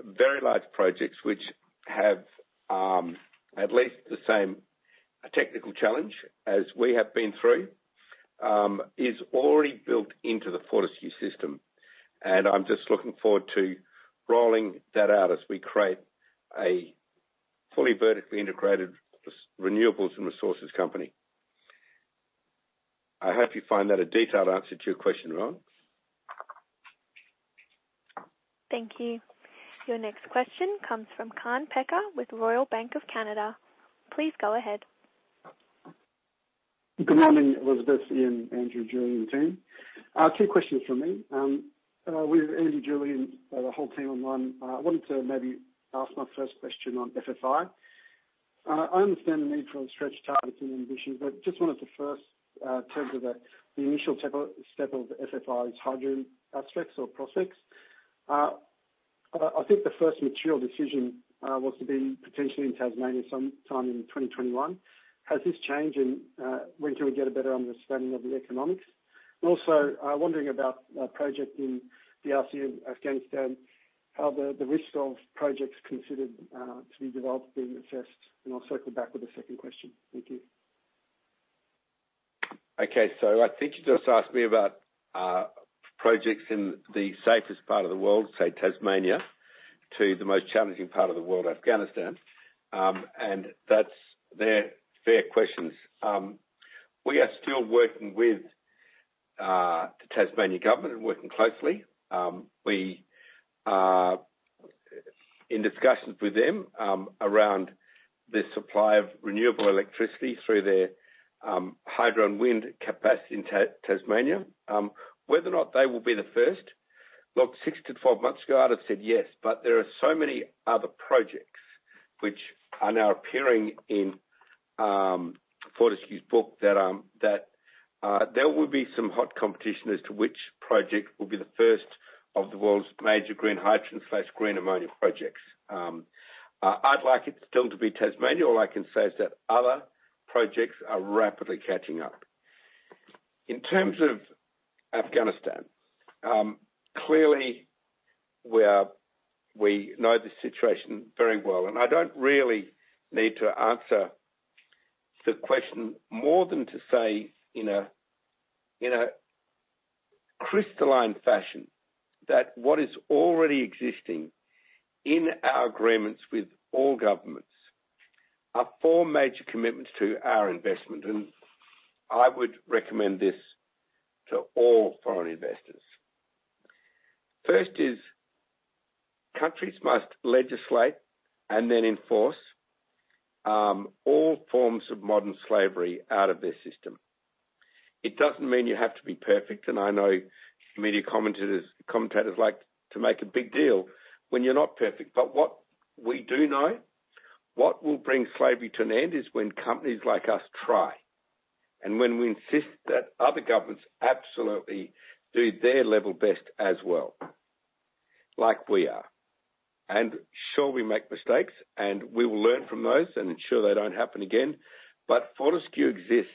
very large projects which have at least the same technical challenge as we have been through is already built into the Fortescue system. I am just looking forward to rolling that out as we create a fully vertically integrated renewables and resources company. I hope you find that a detailed answer to your question, Raul. Thank you. Your next question comes from Kaan Pekker with Royal Bank of Canada. Please go ahead. Good morning, Elizabeth, Ian, Andrew, Julie, and team. Two questions from me. With Andrew, Julie, and the whole team online, I wanted to maybe ask my first question on FFI. I understand the need for stretch targets and ambitions, but just wanted to first talk about the initial step of FFI's hydrogen aspects or prospects. I think the first material decision was to be potentially in Tasmania sometime in 2021. Has this changed, and when can we get a better understanding of the economics? Also, wondering about a project in DRC and Afghanistan, how the risk of projects considered to be developed being assessed. I'll circle back with a second question. Thank you. Okay. I think you just asked me about projects in the safest part of the world, say Tasmania, to the most challenging part of the world, Afghanistan. That's their fair questions. We are still working with the Tasmanian government and working closely. We are in discussions with them around the supply of renewable electricity through their hydro and wind capacity in Tasmania, whether or not they will be the first. Six to twelve months ago, I'd have said yes. There are so many other projects which are now appearing in Fortescue's book that there will be some hot competition as to which project will be the first of the world's major green hydrogen/green ammonia projects. I'd like it still to be Tasmania. All I can say is that other projects are rapidly catching up. In terms of Afghanistan, clearly, we know the situation very well. I don't really need to answer the question more than to say in a crystalline fashion that what is already existing in our agreements with all governments are four major commitments to our investment. I would recommend this to all foreign investors. First is countries must legislate and then enforce all forms of modern slavery out of their system. It doesn't mean you have to be perfect. I know media commentators like to make a big deal when you're not perfect. What we do know, what will bring slavery to an end is when companies like us try and when we insist that other governments absolutely do their level best as well, like we are. Sure, we make mistakes, and we will learn from those and ensure they don't happen again. Fortescue exists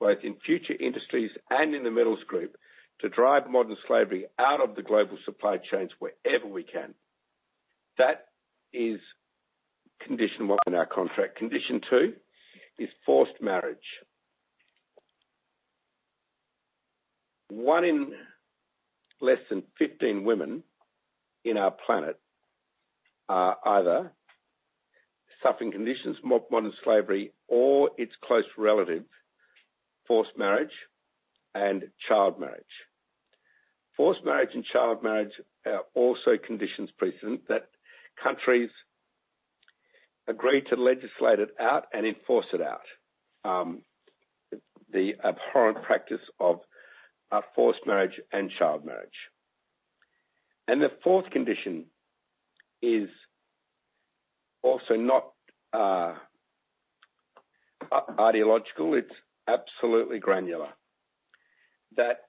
both in Future Industries and in the Metals Group to drive modern slavery out of the global supply chains wherever we can. That is condition one in our contract. Condition two is forced marriage. One in less than 15 women in our planet are either suffering conditions, modern slavery, or its close relative, forced marriage and child marriage. Forced marriage and child marriage are also conditions precedent that countries agree to legislate it out and enforce it out, the abhorrent practice of forced marriage and child marriage. The fourth condition is also not ideological. It is absolutely granular. That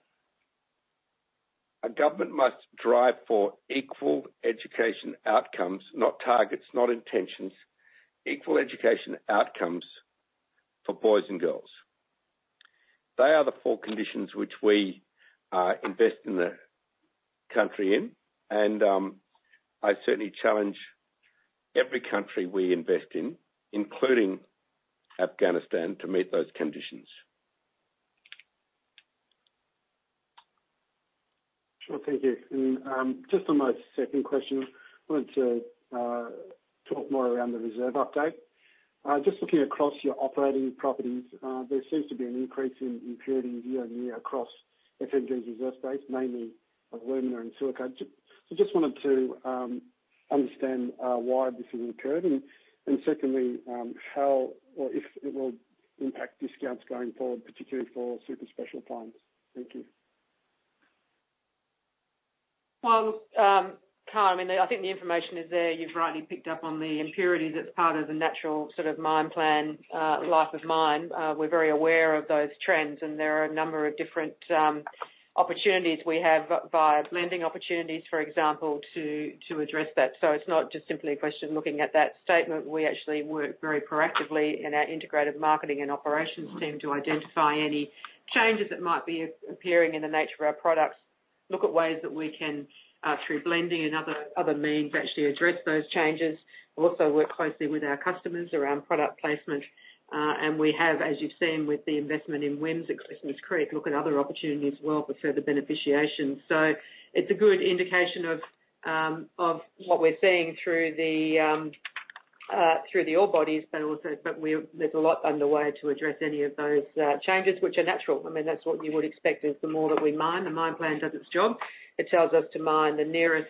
a government must drive for equal education outcomes, not targets, not intentions, equal education outcomes for boys and girls. They are the four conditions which we invest in the country in. I certainly challenge every country we invest in, including Afghanistan, to meet those conditions. Sure. Thank you. Just on my second question, I wanted to talk more around the reserve update. Just looking across your operating properties, there seems to be an increase in impurities year on year across FMG's reserve space, mainly alumina and silica. So just wanted to understand why this has occurred. And secondly, how or if it will impact discounts going forward, particularly for super special fines. Thank you. Kaan, I mean, I think the information is there. You've rightly picked up on the impurities. It's part of the natural sort of mine plan, life of mine. We're very aware of those trends. There are a number of different opportunities we have via blending opportunities, for example, to address that. It's not just simply a question of looking at that statement. We actually work very proactively in our integrated marketing and operations team to identify any changes that might be appearing in the nature of our products, look at ways that we can, through blending and other means, actually address those changes, also work closely with our customers around product placement. We have, as you have seen with the investment in WIMS at Christmas Creek, looked at other opportunities as well for further beneficiation. It is a good indication of what we are seeing through the ore bodies, but there is a lot underway to address any of those changes, which are natural. I mean, that is what you would expect is the more that we mine, the mine plan does its job. It tells us to mine the nearest,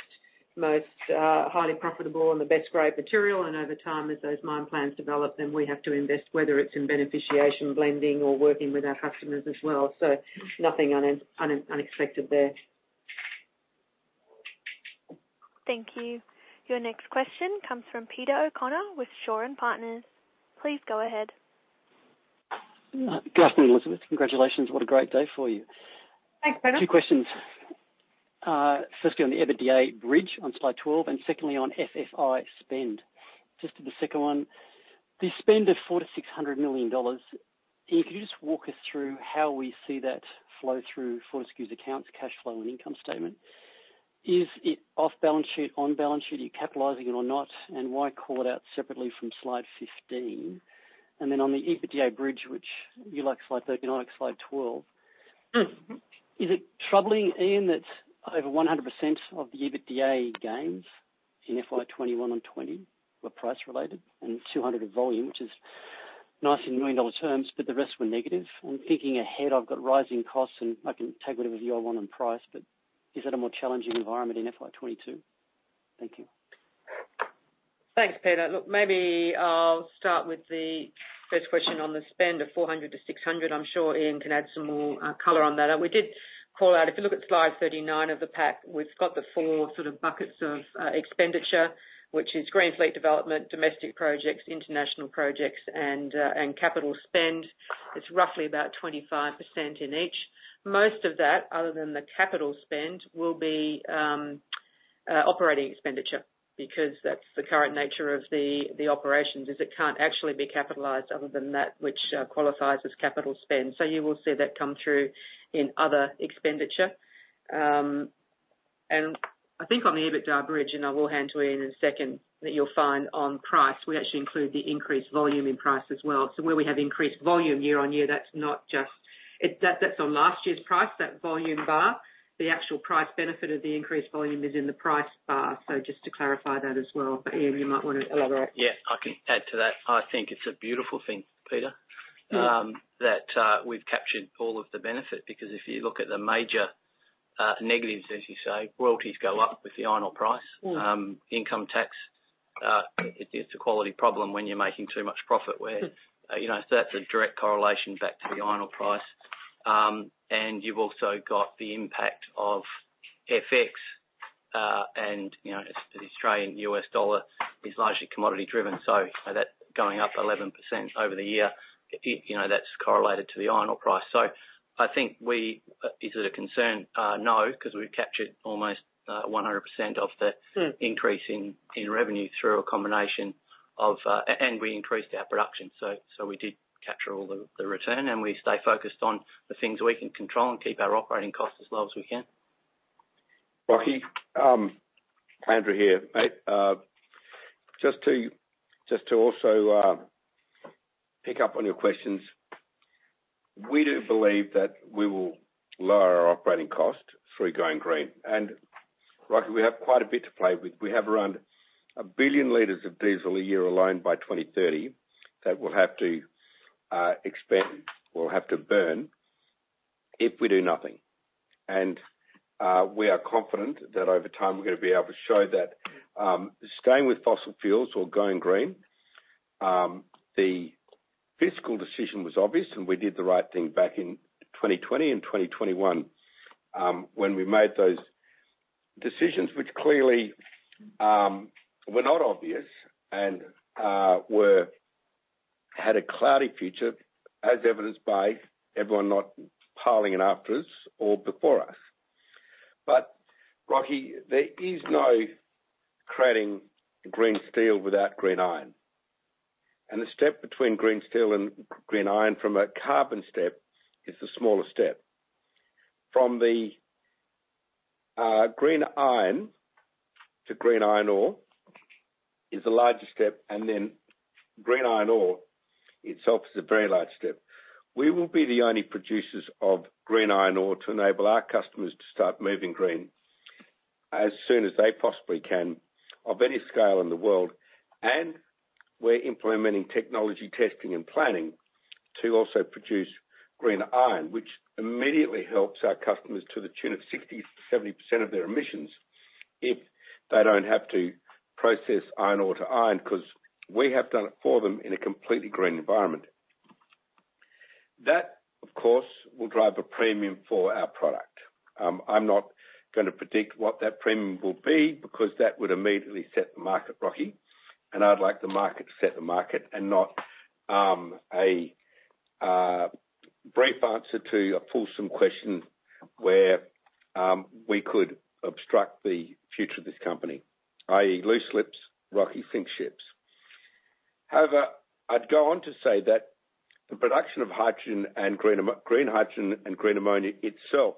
most highly profitable and the best grade material. Over time, as those mine plans develop, we have to invest, whether it is in beneficiation, blending, or working with our customers as well. Nothing unexpected there. Thank you. Your next question comes from Peter O'Connor with Shaw and Partners. Please go ahead. Good afternoon, Elizabeth. Congratulations. What a great day for you. Thanks, Peter. Two questions. Firstly, on the EBITDA bridge on slide 12, and secondly, on FFI spend. Just to the second one, the spend of $400 million-$600 million. Could you just walk us through how we see that flow through Fortescue's accounts, cash flow, and income statement? Is it off balance sheet, on balance sheet? Are you capitalizing it or not? Why call it out separately from slide 15? On the EBITDA bridge, you like slide 13, I like slide 12. Is it troubling, Ian, that over 100% of the EBITDA gains in FY2021 and 2020 were price-related and 200 of volume, which is nice in million-dollar terms, but the rest were negative? Thinking ahead, I've got rising costs, and I can tag whatever view I want on price, but is that a more challenging environment in FY2022? Thank you. Thanks, Peter. Look, maybe I'll start with the first question on the spend of 400 million-600 million. I'm sure Ian can add some more color on that. We did call out, if you look at slide 39 of the pack, we've got the four sort of buckets of expenditure, which is green fleet development, domestic projects, international projects, and capital spend. It's roughly about 25% in each. Most of that, other than the capital spend, will be operating expenditure because that is the current nature of the operations, is it cannot actually be capitalized other than that, which qualifies as capital spend. You will see that come through in other expenditure. I think on the EBITDA bridge, and I will hand to Ian in a second, that you will find on price, we actually include the increased volume in price as well. Where we have increased volume year on year, that is not just that is on last year's price, that volume bar. The actual price benefit of the increased volume is in the price bar. Just to clarify that as well. Ian, you might want to elaborate. Yeah. I can add to that. I think it's a beautiful thing, Peter, that we've captured all of the benefit because if you look at the major negatives, as you say, royalties go up with the iron ore price, income tax. It's a quality problem when you're making too much profit where that's a direct correlation back to the iron ore price. You've also got the impact of FX, and the Australian US dollar is largely commodity-driven. That going up 11% over the year is correlated to the iron ore price. I think we is it a concern? No, because we've captured almost 100% of the increase in revenue through a combination of and we increased our production. We did capture all the return, and we stay focused on the things we can control and keep our operating costs as low as we can. Rocky Andrew here. Just to also pick up on your questions, we do believe that we will lower our operating costs through going green. Rocky, we have quite a bit to play with. We have around 1 billion liters of diesel a year alone by 2030 that we'll have to expend, we'll have to burn if we do nothing. We are confident that over time, we're going to be able to show that staying with fossil fuels or going green, the fiscal decision was obvious, and we did the right thing back in 2020 and 2021 when we made those decisions, which clearly were not obvious and had a cloudy future, as evidenced by everyone not piling in after us or before us. Rocky, there is no creating green steel without green iron. The step between green steel and green iron from a carbon step is the smallest step. From the green iron to green iron ore is the largest step, and then green iron ore itself is a very large step. We will be the only producers of green iron ore to enable our customers to start moving green as soon as they possibly can of any scale in the world. We are implementing technology testing and planning to also produce green iron, which immediately helps our customers to the tune of 60-70% of their emissions if they do not have to process iron ore to iron because we have done it for them in a completely green environment. That, of course, will drive a premium for our product. I am not going to predict what that premium will be because that would immediately set the market, Rocky. I would like the market to set the market and not a brief answer to a foolsome question where we could obstruct the future of this company, i.e., loose lips, Rocky sink ships. However, I would go on to say that the production of hydrogen and green hydrogen and green ammonia itself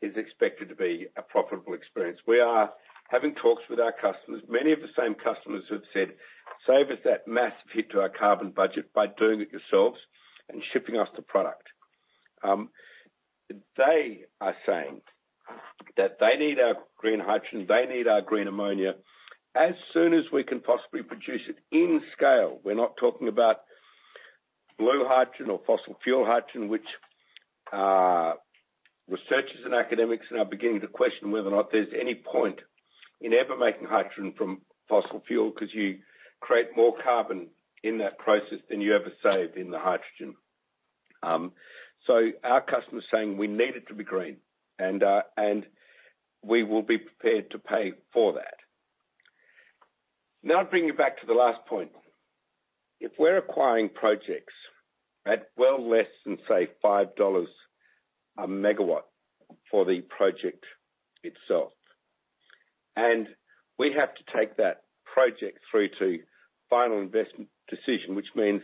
is expected to be a profitable experience. We are having talks with our customers. Many of the same customers have said, "Save us that massive hit to our carbon budget by doing it yourselves and shipping us the product." They are saying that they need our green hydrogen. They need our green ammonia as soon as we can possibly produce it in scale. We're not talking about blue hydrogen or fossil fuel hydrogen, which researchers and academics are beginning to question whether or not there's any point in ever making hydrogen from fossil fuel because you create more carbon in that process than you ever save in the hydrogen. Our customers are saying we need it to be green, and we will be prepared to pay for that. Now, I'll bring you back to the last point. If we're acquiring projects at well less than, say, $5 a megawatt for the project itself, and we have to take that project through to final investment decision, which means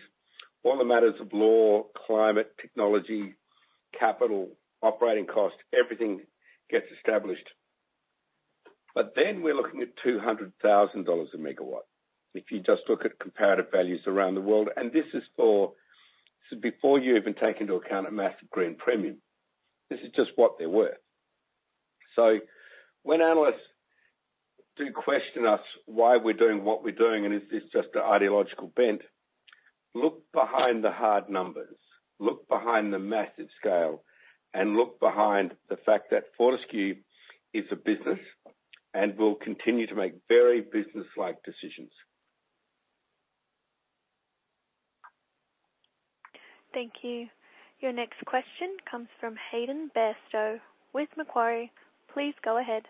all the matters of law, climate, technology, capital, operating cost, everything gets established. Then we're looking at $200,000 a megawatt if you just look at comparative values around the world. This is before you even take into account a massive green premium. This is just what they're worth. So when analysts do question us why we're doing what we're doing and is this just an ideological bent, look behind the hard numbers. Look behind the massive scale and look behind the fact that Fortescue is a business and will continue to make very business-like decisions. Thank you. Your next question comes from Hayden Bairstow with Macquarie. Please go ahead.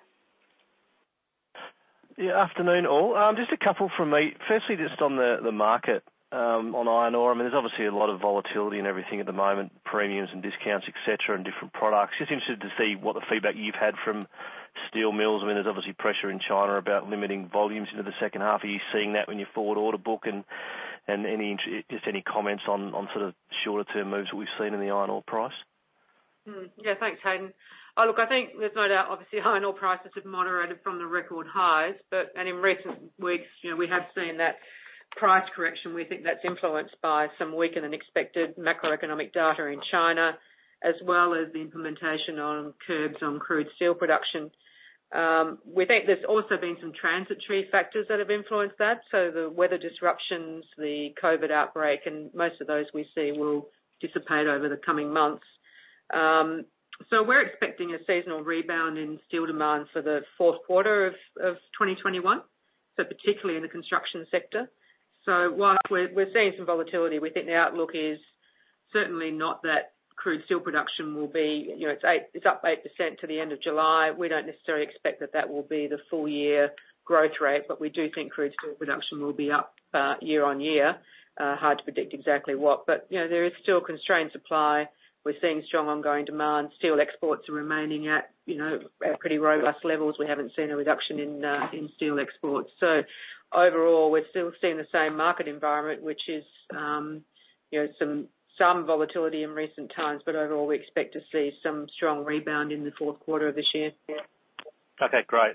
Yeah. Afternoon, all. Just a couple for me. Firstly, just on the market on iron ore, I mean, there's obviously a lot of volatility and everything at the moment, premiums and discounts, etc., and different products. Just interested to see what the feedback you've had from steel mills. I mean, there's obviously pressure in China about limiting volumes into the second half of the year. Seeing that when you forward order book and just any comments on sort of shorter-term moves that we've seen in the iron ore price. Yeah. Thanks, Hayden. Look, I think there's no doubt, obviously, iron ore prices have moderated from the record highs. In recent weeks, we have seen that price correction. We think that's influenced by some weaker than expected macroeconomic data in China, as well as the implementation on curbs on crude steel production. We think there's also been some transitory factors that have influenced that. The weather disruptions, the COVID outbreak, and most of those we see will dissipate over the coming months. We're expecting a seasonal rebound in steel demand for the fourth quarter of 2021, particularly in the construction sector. While we're seeing some volatility, we think the outlook is certainly not that crude steel production will be. It's up 8% to the end of July. We don't necessarily expect that that will be the full-year growth rate, but we do think crude steel production will be up year on year. Hard to predict exactly what. There is still constrained supply. We're seeing strong ongoing demand. Steel exports are remaining at pretty robust levels. We haven't seen a reduction in steel exports. Overall, we're still seeing the same market environment, which is some volatility in recent times. Overall, we expect to see some strong rebound in the fourth quarter of this year. Okay. Great.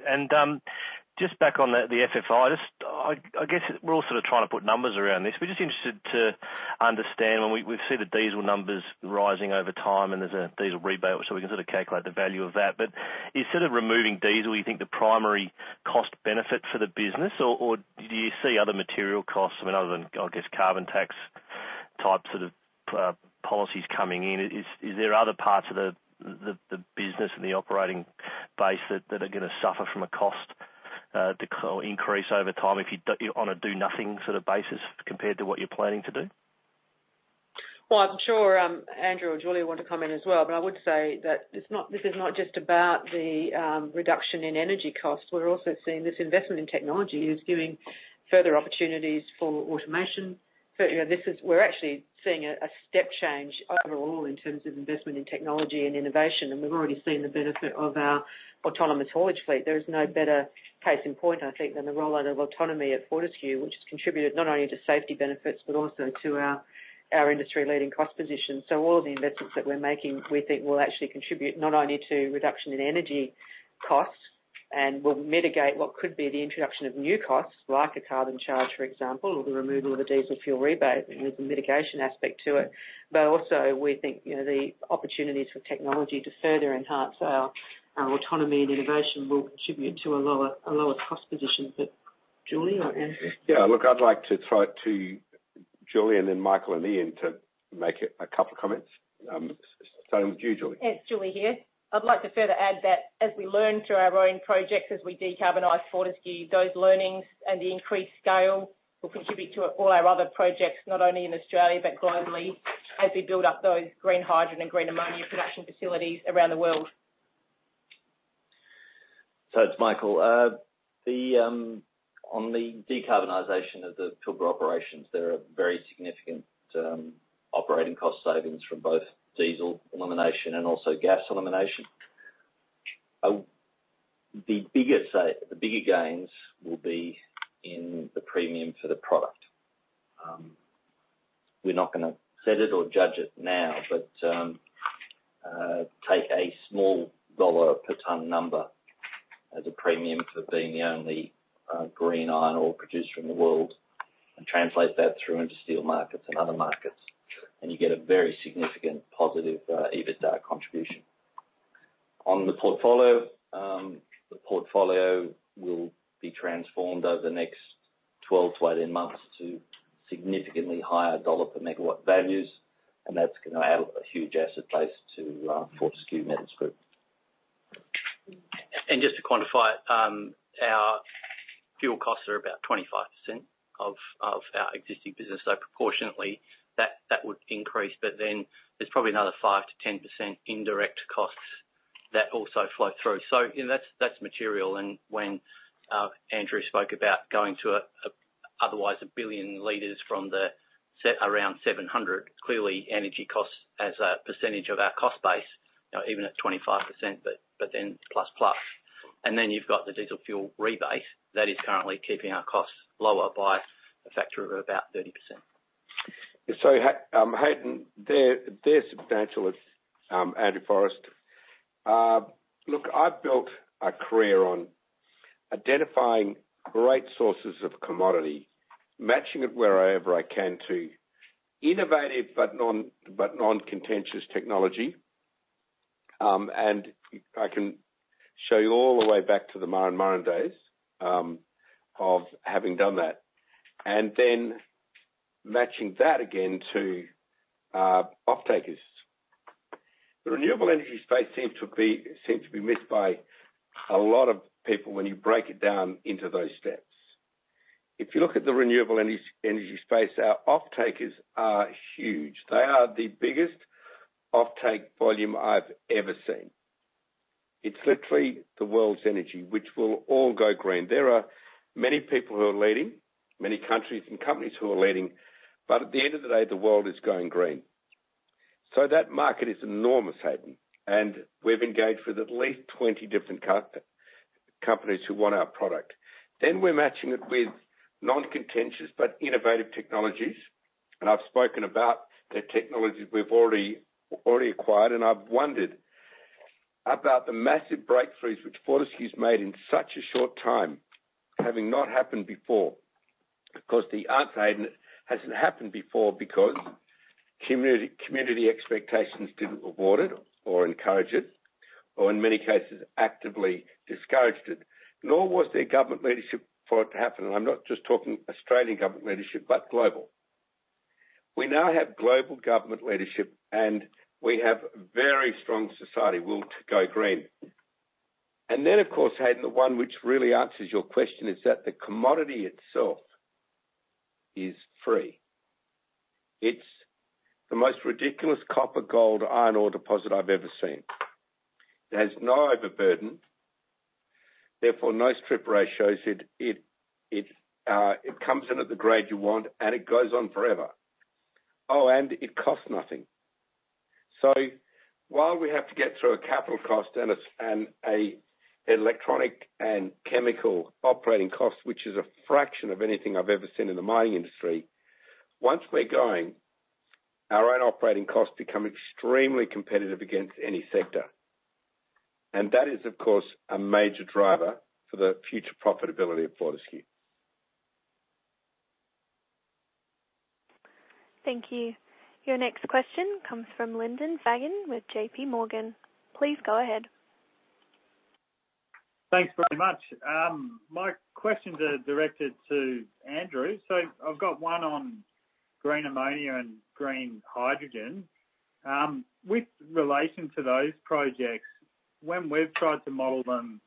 Just back on the FFI, I guess we're all sort of trying to put numbers around this. We're just interested to understand when we've seen the diesel numbers rising over time and there's a diesel rebate, so we can sort of calculate the value of that. But instead of removing diesel, you think the primary cost benefit for the business, or do you see other material costs, I mean, other than, I guess, carbon tax type sort of policies coming in? Is there other parts of the business and the operating base that are going to suffer from a cost increase over time if you're on a do-nothing sort of basis compared to what you're planning to do? I'm sure Andrew or Julie want to come in as well. I would say that this is not just about the reduction in energy costs. We're also seeing this investment in technology is giving further opportunities for automation. We're actually seeing a step change overall in terms of investment in technology and innovation. We've already seen the benefit of our autonomous haulage fleet. There is no better case in point, I think, than the rollout of autonomy at Fortescue, which has contributed not only to safety benefits but also to our industry-leading cost position. All of the investments that we're making, we think, will actually contribute not only to reduction in energy costs and will mitigate what could be the introduction of new costs, like a carbon charge, for example, or the removal of a diesel fuel rebate. There's a mitigation aspect to it. We think the opportunities for technology to further enhance our autonomy and innovation will contribute to a lower cost position. Julie or Andrew? Yeah. Look, I'd like to throw it to Julie and then Michael and Ian to make a couple of comments. Starting with you, Julie. It's Julie here. I'd like to further add that as we learn through our growing projects, as we decarbonize Fortescue, those learnings and the increased scale will contribute to all our other projects, not only in Australia but globally, as we build up those green hydrogen and green ammonia production facilities around the world. It's Michael. On the decarbonization of the Pilbara operations, there are very significant operating cost savings from both diesel elimination and also gas elimination. The bigger gains will be in the premium for the product. We're not going to set it or judge it now, but take a small dollar per tonne number as a premium for being the only green iron ore producer in the world and translate that through into steel markets and other markets. You get a very significant positive EBITDA contribution. On the portfolio, the portfolio will be transformed over the next 12-18 months to significantly higher dollar per megawatt values. That's going to add a huge asset base to Fortescue Metals Group. Just to quantify it, our fuel costs are about 25% of our existing business. Proportionately, that would increase. There is probably another 5-10% indirect costs that also flow through. That's material. When Andrew spoke about going to otherwise a billion liters from the set around 700, clearly energy costs as a percentage of our cost base, even at 25%, but then plus plus. Then you have the diesel fuel rebate that is currently keeping our costs lower by a factor of about 30%. Hayden, they are substantial, Andrew Forrest. Look, I have built a career on identifying great sources of commodity, matching it wherever I can to innovative but non-contentious technology. I can show you all the way back to the Murrin Murrin days of having done that and then matching that again to off-takers. The renewable energy space seems to be missed by a lot of people when you break it down into those steps. If you look at the renewable energy space, our off-takers are huge. They are the biggest off-take volume I have ever seen. It's literally the world's energy, which will all go green. There are many people who are leading, many countries and companies who are leading. At the end of the day, the world is going green. That market is enormous, Hayden. We've engaged with at least 20 different companies who want our product. We are matching it with non-contentious but innovative technologies. I've spoken about the technologies we've already acquired. I've wondered about the massive breakthroughs which Fortescue's made in such a short time, having not happened before. The answer, Hayden, is it hasn't happened before because community expectations didn't award it or encourage it, or in many cases, actively discouraged it, nor was there government leadership for it to happen. I'm not just talking Australian government leadership, but global. We now have global government leadership, and we have a very strong society will to go green. Of course, Hayden, the one which really answers your question is that the commodity itself is free. It is the most ridiculous copper, gold, iron ore deposit I have ever seen. It has no overburden. Therefore, no strip ratios. It comes in at the grade you want, and it goes on forever. Oh, and it costs nothing. While we have to get through a capital cost and an electronic and chemical operating cost, which is a fraction of anything I have ever seen in the mining industry, once we are going, our own operating costs become extremely competitive against any sector. That is, of course, a major driver for the future profitability of Fortescue. Thank you. Your next question comes from Lyndon Fagan with JPMorgan. Please go ahead. Thanks very much. My questions are directed to Andrew. I have one on green ammonia and green hydrogen. With relation to those projects, when we have tried to model them,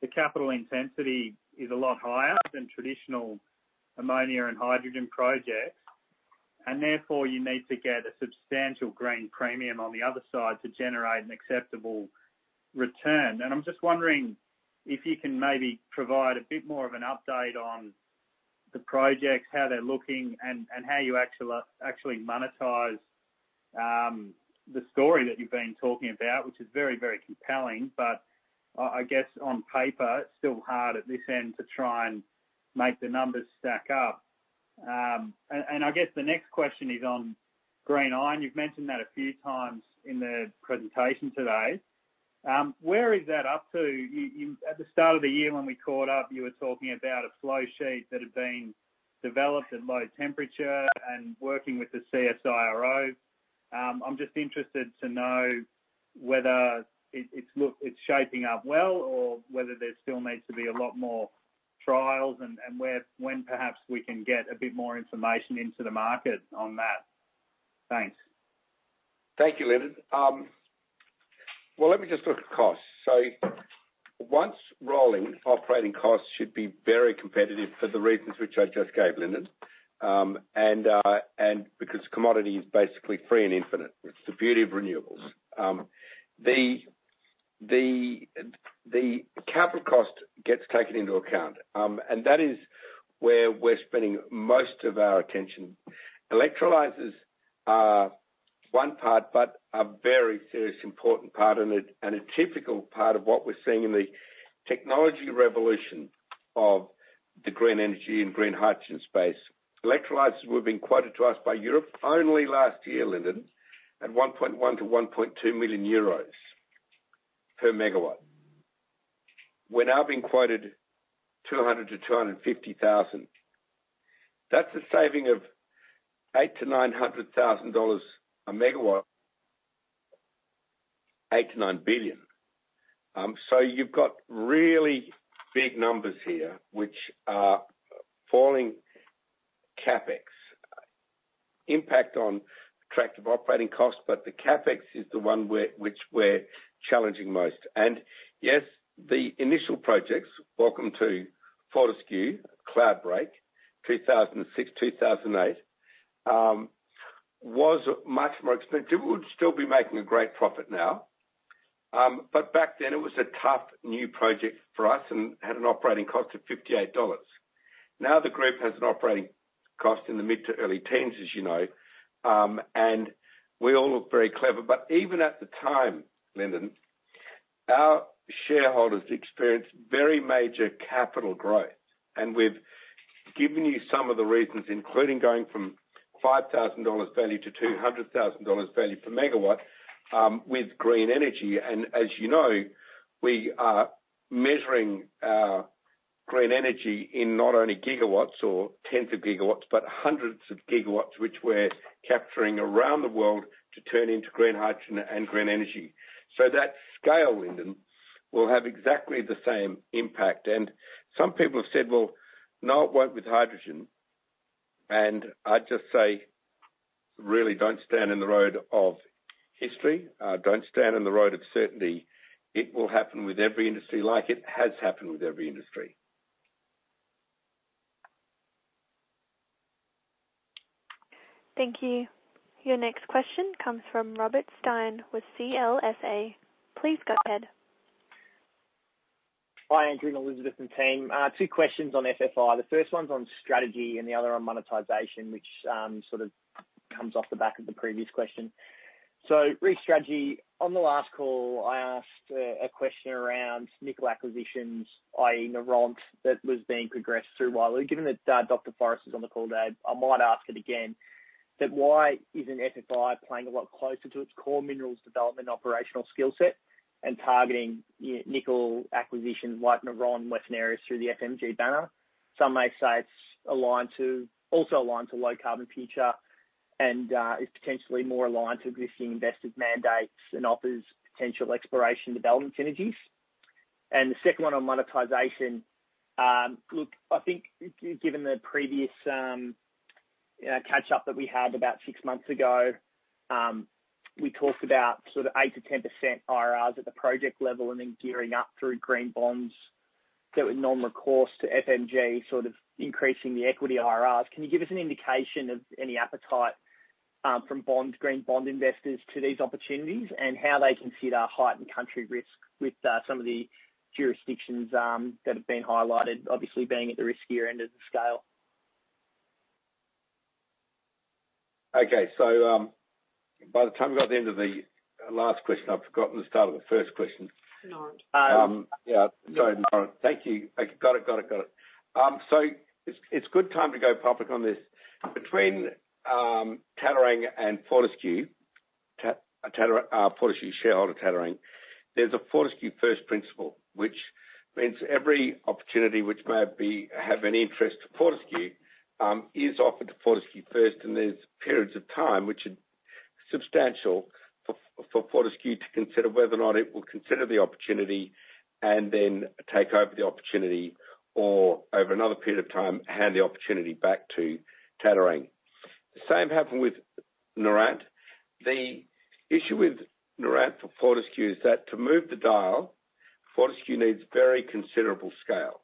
the capital intensity is a lot higher than traditional ammonia and hydrogen projects. Therefore, you need to get a substantial green premium on the other side to generate an acceptable return. I am just wondering if you can maybe provide a bit more of an update on the projects, how they are looking, and how you actually monetize the story that you have been talking about, which is very, very compelling. I guess on paper, it is still hard at this end to try and make the numbers stack up. I guess the next question is on green iron. You have mentioned that a few times in the presentation today. Where is that up to? At the start of the year when we caught up, you were talking about a flow sheet that had been developed at low temperature and working with the CSIRO. I'm just interested to know whether it's shaping up well or whether there still needs to be a lot more trials and when perhaps we can get a bit more information into the market on that. Thanks. Thank you, Lyndon. Let me just look at costs. Once rolling, operating costs should be very competitive for the reasons which I just gave, Lyndon, and because commodity is basically free and infinite. It's the beauty of renewables. The capital cost gets taken into account. That is where we're spending most of our attention. Electrolysers are one part, but a very serious important part and a typical part of what we're seeing in the technology revolution of the green energy and green hydrogen space. Electrolysers were being quoted to us by Europe only last year, Lyndon, at 1.1 million-1.2 million euros per megawatt. We're now being quoted 200,000-250,000. That's a saving of 800,000 - 900,000 dollars a megawatt, 8 - 9 billion. You have really big numbers here, which are falling CapEx impact on attractive operating costs. The CapEx is the one which we're challenging most. Yes, the initial projects, welcome to Fortescue, Cloud Break, 2006, 2008, was much more expensive. We would still be making a great profit now. Back then, it was a tough new project for us and had an operating cost of $58. Now the group has an operating cost in the mid to early teens, as you know. We all look very clever. Even at the time, Lyndon, our shareholders experienced very major capital growth. We have given you some of the reasons, including going from 5,000 dollars value to 200,000 dollars value per megawatt with green energy. As you know, we are measuring our green energy in not only gigawatts or tens of gigawatts, but hundreds of gigawatts, which we are capturing around the world to turn into green hydrogen and green energy. That scale, Lyndon, will have exactly the same impact. Some people have said, "No, it will not with hydrogen." I would just say, really, do not stand in the road of history. Do not stand in the road of certainty. It will happen with every industry like it has happened with every industry. Thank you. Your next question comes from Robert Stein with CLSA. Please go ahead. Hi, Andrew and Elizabeth and team. Two questions on FFI. The first one's on strategy and the other on monetisation, which sort of comes off the back of the previous question. Re-strategy, on the last call, I asked a question around nickel acquisitions, i.e., Noront, that was being progressed through Wyloo. Given that Dr. Forrest is on the call today, I might ask it again. Why isn't FFI playing a lot closer to its core minerals development operational skill set and targeting nickel acquisitions like Noront, Western Areas through the FMG banner? Some may say it's also aligned to low carbon future and is potentially more aligned to existing invested mandates and offers potential exploration development synergies. The second one on monetisation, look, I think given the previous catch-up that we had about six months ago, we talked about sort of 8-10% IRRs at the project level and then gearing up through green bonds that were non-recourse to FMG, sort of increasing the equity IRRs. Can you give us an indication of any appetite from green bond investors to these opportunities and how they can see that heightened country risk with some of the jurisdictions that have been highlighted, obviously being at the riskier end of the scale? Okay. By the time we got to the end of the last question, I have forgotten the start of the first question. Yeah. Sorry, Laura. Thank you. Got it. Got it. Got it. It is a good time to go public on this. Between Tattarang and Fortescue, Fortescue shareholder Tattarang, there's a Fortescue First principle, which means every opportunity which may have an interest to Fortescue is offered to Fortescue First. There are periods of time which are substantial for Fortescue to consider whether or not it will consider the opportunity and then take over the opportunity or over another period of time hand the opportunity back to Tattarang. The same happened with Noront. The issue with Noront for Fortescue is that to move the dial, Fortescue needs very considerable scale.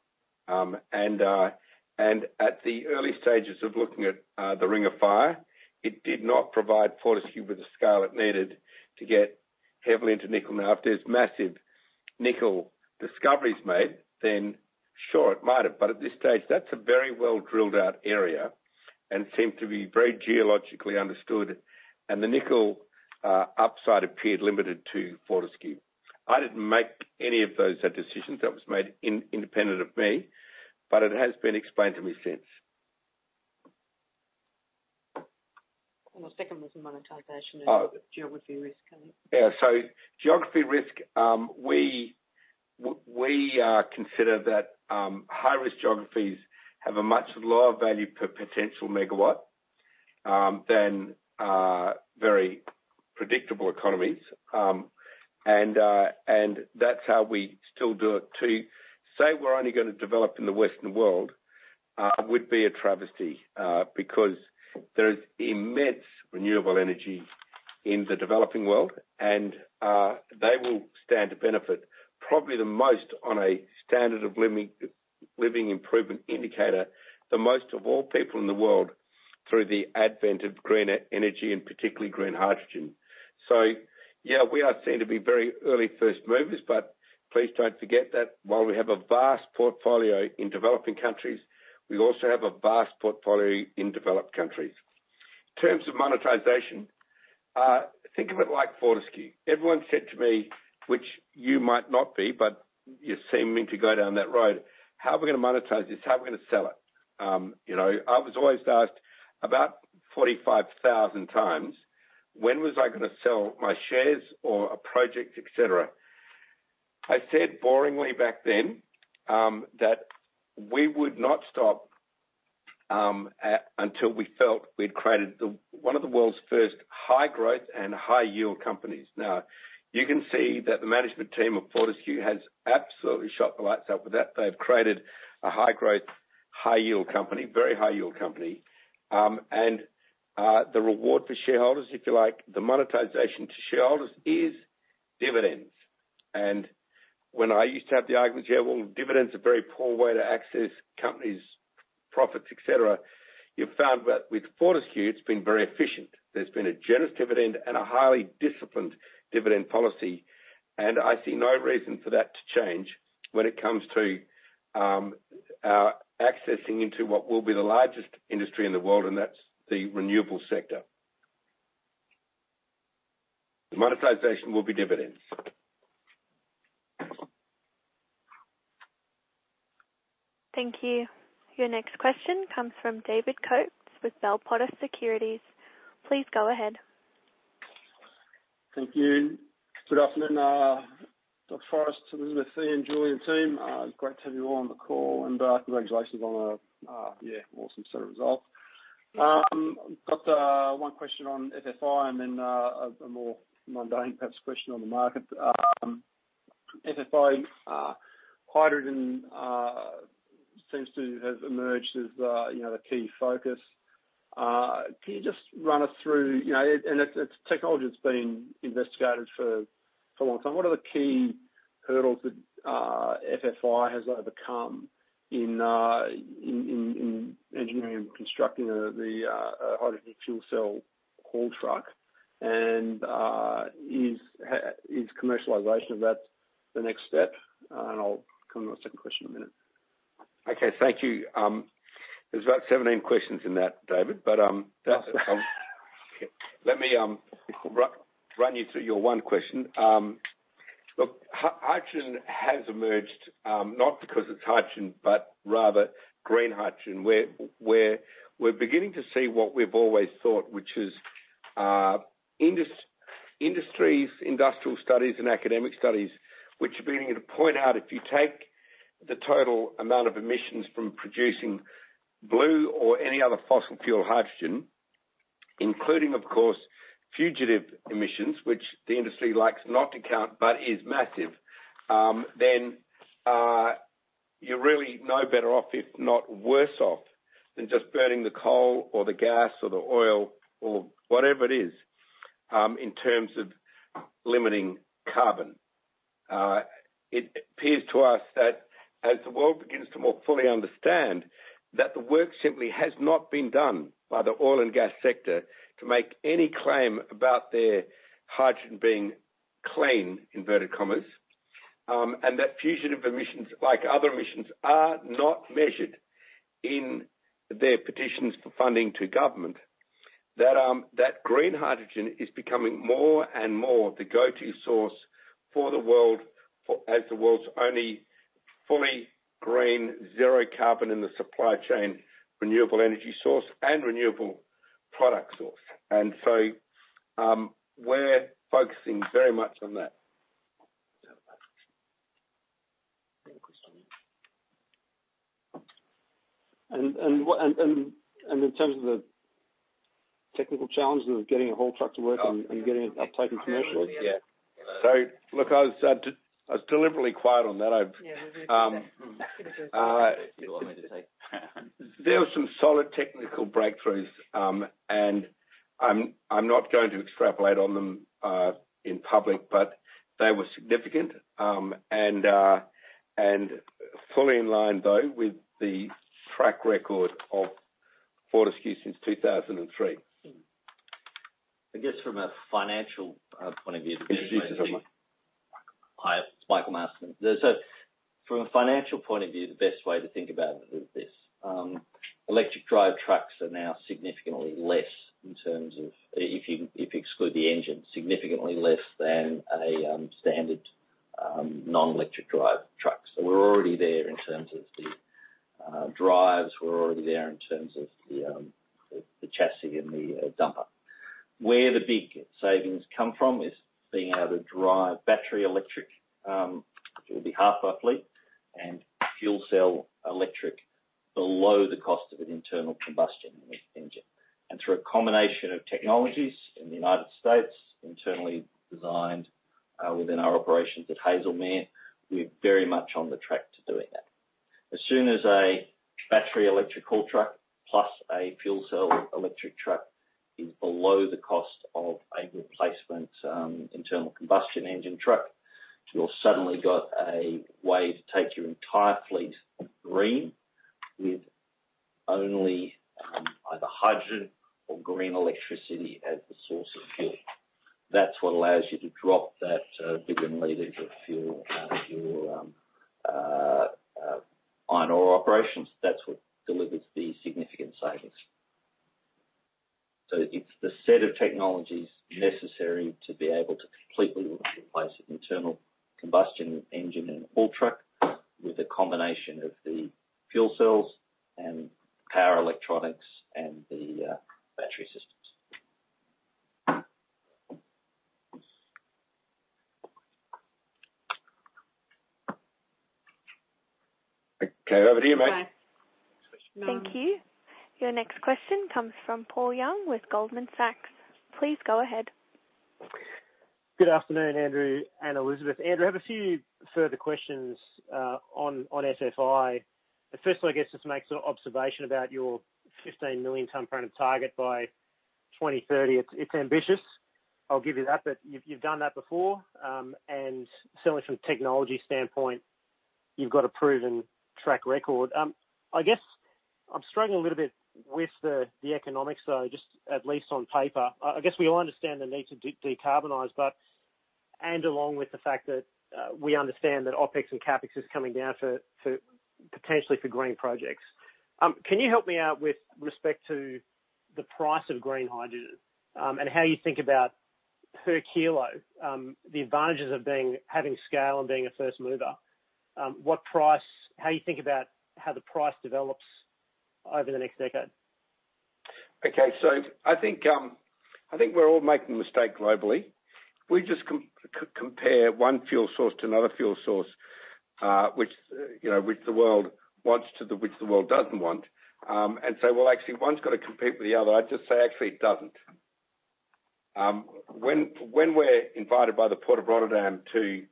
At the early stages of looking at the Ring of Fire, it did not provide Fortescue with the scale it needed to get heavily into nickel. Now, if there are massive nickel discoveries made, then sure, it might have. At this stage, that's a very well-drilled out area and seemed to be very geologically understood. The nickel upside appeared limited to Fortescue. I did not make any of those decisions. That was made independent of me. It has been explained to me since. The second was monetization and geography risk. Geography risk, we consider that high-risk geographies have a much lower value per potential megawatt than very predictable economies. That is how we still do it. To say we are only going to develop in the Western world would be a travesty because there is immense renewable energy in the developing world. They will stand to benefit probably the most on a standard of living improvement indicator, the most of all people in the world through the advent of green energy and particularly green hydrogen. We are seen to be very early first movers. Please do not forget that while we have a vast portfolio in developing countries, we also have a vast portfolio in developed countries. In terms of monetisation, think of it like Fortescue. Everyone said to me, which you might not be, but you are seeming to go down that road, "How are we going to monetise this? How are we going to sell it?" I was always asked about 45,000 times, "When was I going to sell my shares or a project, etc.?" I said boringly back then that we would not stop until we felt we had created one of the world's first high-growth and high-yield companies. Now, you can see that the management team of Fortescue has absolutely shot the lights out with that. They have created a high-growth, high-yield company, very high-yield company. The reward for shareholders, if you like, the monetisation to shareholders is dividends. When I used to have the argument, "Yeah, well, dividends are a very poor way to access companies' profits," etc., you found that with Fortescue, it's been very efficient. There's been a generous dividend and a highly disciplined dividend policy. I see no reason for that to change when it comes to accessing into what will be the largest industry in the world, and that's the renewable sector. The monetisation will be dividends. Thank you. Your next question comes from David Coates with Bell Potter Securities. Please go ahead. Thank you. Good afternoon, Dr. Forrest, Elizabeth, and Julie and team. Great to have you all on the call. Congratulations on a, yeah, awesome set of results. One question on FFI and then a more mundane, perhaps, question on the market. FFI hydrogen seems to have emerged as the key focus. Can you just run us through, and it's technology that's been investigated for a long time. What are the key hurdles that FFI has overcome in engineering and constructing the hydrogen fuel cell haul truck? Is commercialisation of that the next step? I'll come to a second question in a minute. Okay. Thank you. There's about 17 questions in that, David. Let me run you through your one question. Look, hydrogen has emerged not because it's hydrogen, but rather green hydrogen, where we're beginning to see what we've always thought, which is industries, industrial studies, and academic studies, which are beginning to point out if you take the total amount of emissions from producing blue or any other fossil fuel hydrogen, including, of course, fugitive emissions, which the industry likes not to count but is massive, then you're really no better off, if not worse off, than just burning the coal or the gas or the oil or whatever it is in terms of limiting carbon. It appears to us that as the world begins to more fully understand that the work simply has not been done by the oil and gas sector to make any claim about their hydrogen being "clean," and that fugitive emissions, like other emissions, are not measured in their petitions for funding to government, green hydrogen is becoming more and more the go-to source for the world as the world's only fully green, zero-carbon in the supply chain renewable energy source and renewable product source. We are focusing very much on that. In terms of the technical challenges of getting a haul truck to work and getting it uptaken commercially? Yeah. Look, I was deliberately quiet on that. There were some solid technical breakthroughs. I'm not going to extrapolate on them in public, but they were significant and fully in line, though, with the track record of Fortescue since 2003. I guess from a financial point of view, the best way to think about it. Michael Masterman. From a financial point of view, the best way to think about it is this. Electric drive trucks are now significantly less in terms of, if you exclude the engine, significantly less than a standard non-electric drive truck. We're already there in terms of the drives. We're already there in terms of the chassis and the dumper. Where the big savings come from is being able to drive battery electric, which will be half, roughly, and fuel cell electric below the cost of an internal combustion engine. Through a combination of technologies in the United States, internally designed within our operations at Hazelmere, we're very much on the track to doing that. As soon as a battery electric haul truck plus a fuel cell electric truck is below the cost of a replacement internal combustion engine truck, you've suddenly got a way to take your entire fleet green with only either hydrogen or green electricity as the source of fuel. That is what allows you to drop that bigger litre of fuel in your iron ore operations. That is what delivers the significant savings. It is the set of technologies necessary to be able to completely replace an internal combustion engine in a haul truck with a combination of the fuel cells and power electronics and the battery systems. Okay. Over to you, mate. Thank you. Your next question comes from Paul Young with Goldman Sachs. Please go ahead. Good afternoon, Andrew and Elizabeth. Andrew, I have a few further questions on FFI. First, I guess, just to make an observation about your 15 million-tonne per annum target by 2030. It is ambitious. I'll give you that. You have done that before. Certainly from a technology standpoint, you have got a proven track record. I guess I'm struggling a little bit with the economics, though, at least on paper. I guess we all understand the need to decarbonise, along with the fact that we understand that OPEX and CAPEX is coming down potentially for green projects. Can you help me out with respect to the price of green hydrogen and how you think about per kilo, the advantages of having scale and being a first mover? How do you think about how the price develops over the next decade? Okay. I think we're all making a mistake globally. We just compare one fuel source to another fuel source, which the world wants to, which the world doesn't want. Actually, one's got to compete with the other. I'd just say, actually, it doesn't. When we're invited by the Port of Rotterdam to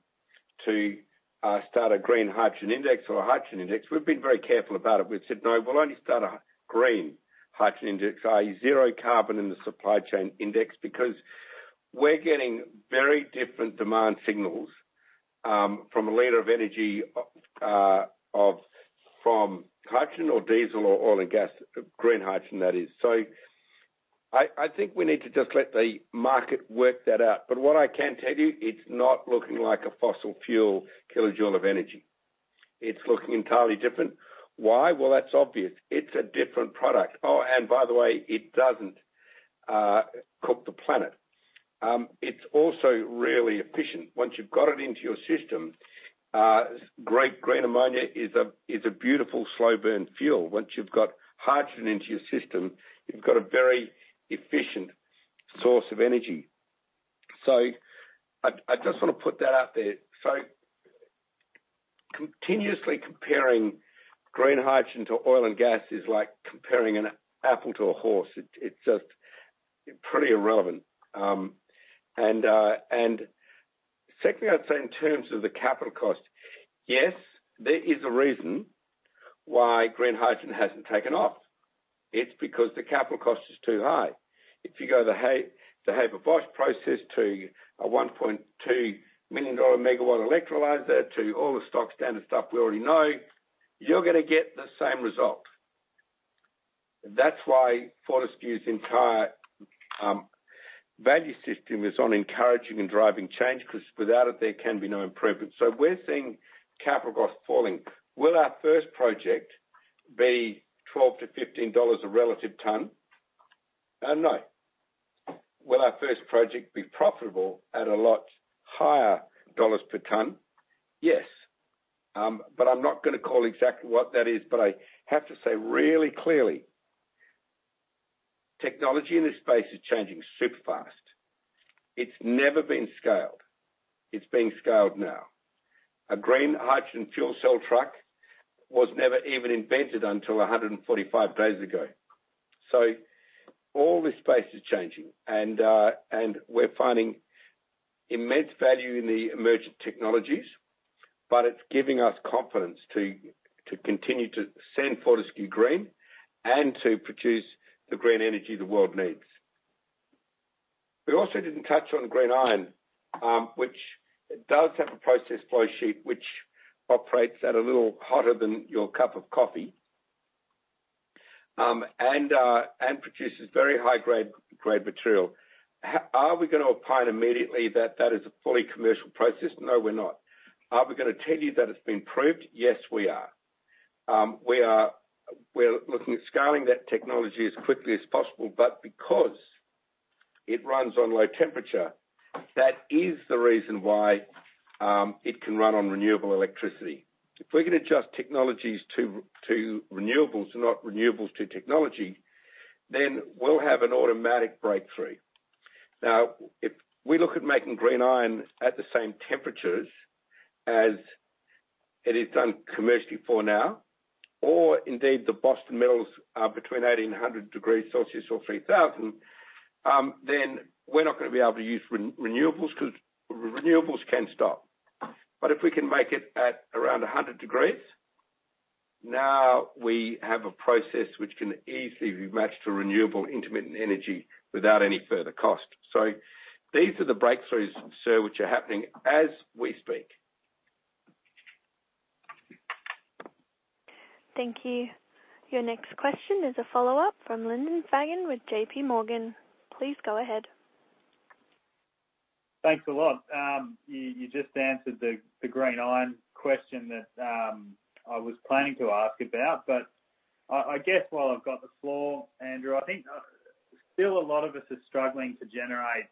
start a green hydrogen index or a hydrogen index, we've been very careful about it. We've said, "No, we'll only start a green hydrogen index, a zero-carbon in the supply chain index," because we're getting very different demand signals from a litre of energy from hydrogen or diesel or oil and gas, green hydrogen, that is. I think we need to just let the market work that out. What I can tell you, it's not looking like a fossil fuel kilojoule of energy. It's looking entirely different. Why? That's obvious. It's a different product. Oh, and by the way, it doesn't cook the planet. It's also really efficient. Once you've got it into your system, green ammonia is a beautiful slow-burn fuel. Once you've got hydrogen into your system, you've got a very efficient source of energy. I just want to put that out there. Continuously comparing green hydrogen to oil and gas is like comparing an apple to a horse. It's just pretty irrelevant. Secondly, I'd say in terms of the capital cost, yes, there is a reason why green hydrogen hasn't taken off. It's because the capital cost is too high. If you go the Haber-Bosch process to a 1.2 million dollar megawatt electrolyzer to all the stock standard stuff we already know, you're going to get the same result. That's why Fortescue's entire value system is on encouraging and driving change because without it, there can be no improvement. We are seeing capital costs falling. Will our first project be $12-$15 a relative tonne? No. Will our first project be profitable at a lot higher dollars per tonne? Yes. I am not going to call exactly what that is. I have to say really clearly, technology in this space is changing super fast. It has never been scaled. It is being scaled now. A green hydrogen fuel cell truck was never even invented until 145 days ago. All this space is changing. We are finding immense value in the emergent technologies, and it is giving us confidence to continue to send Fortescue green and to produce the green energy the world needs. We also did not touch on green iron, which does have a process flowsheet which operates at a little hotter than your cup of coffee and produces very high-grade material. Are we going to opine immediately that that is a fully commercial process? No, we are not. Are we going to tell you that it has been proved? Yes, we are. We are looking at scaling that technology as quickly as possible. Because it runs on low temperature, that is the reason why it can run on renewable electricity. If we can adjust technologies to renewables and not renewables to technology, we will have an automatic breakthrough. Now, if we look at making green iron at the same temperatures as it is done commercially for now, or indeed the Boston Metals are between 1,800 degrees Celsius or 3,000, we are not going to be able to use renewables because renewables can stop. But if we can make it at around 100 degrees, now we have a process which can easily be matched to renewable intermittent energy without any further cost. So these are the breakthroughs, sir, which are happening as we speak. Thank you. Your next question is a follow-up from Lyndon Fagan with JPMorgan. Please go ahead. Thanks a lot. You just answered the green iron question that I was planning to ask about. But I guess while I've got the floor, Andrew, I think still a lot of us are struggling to generate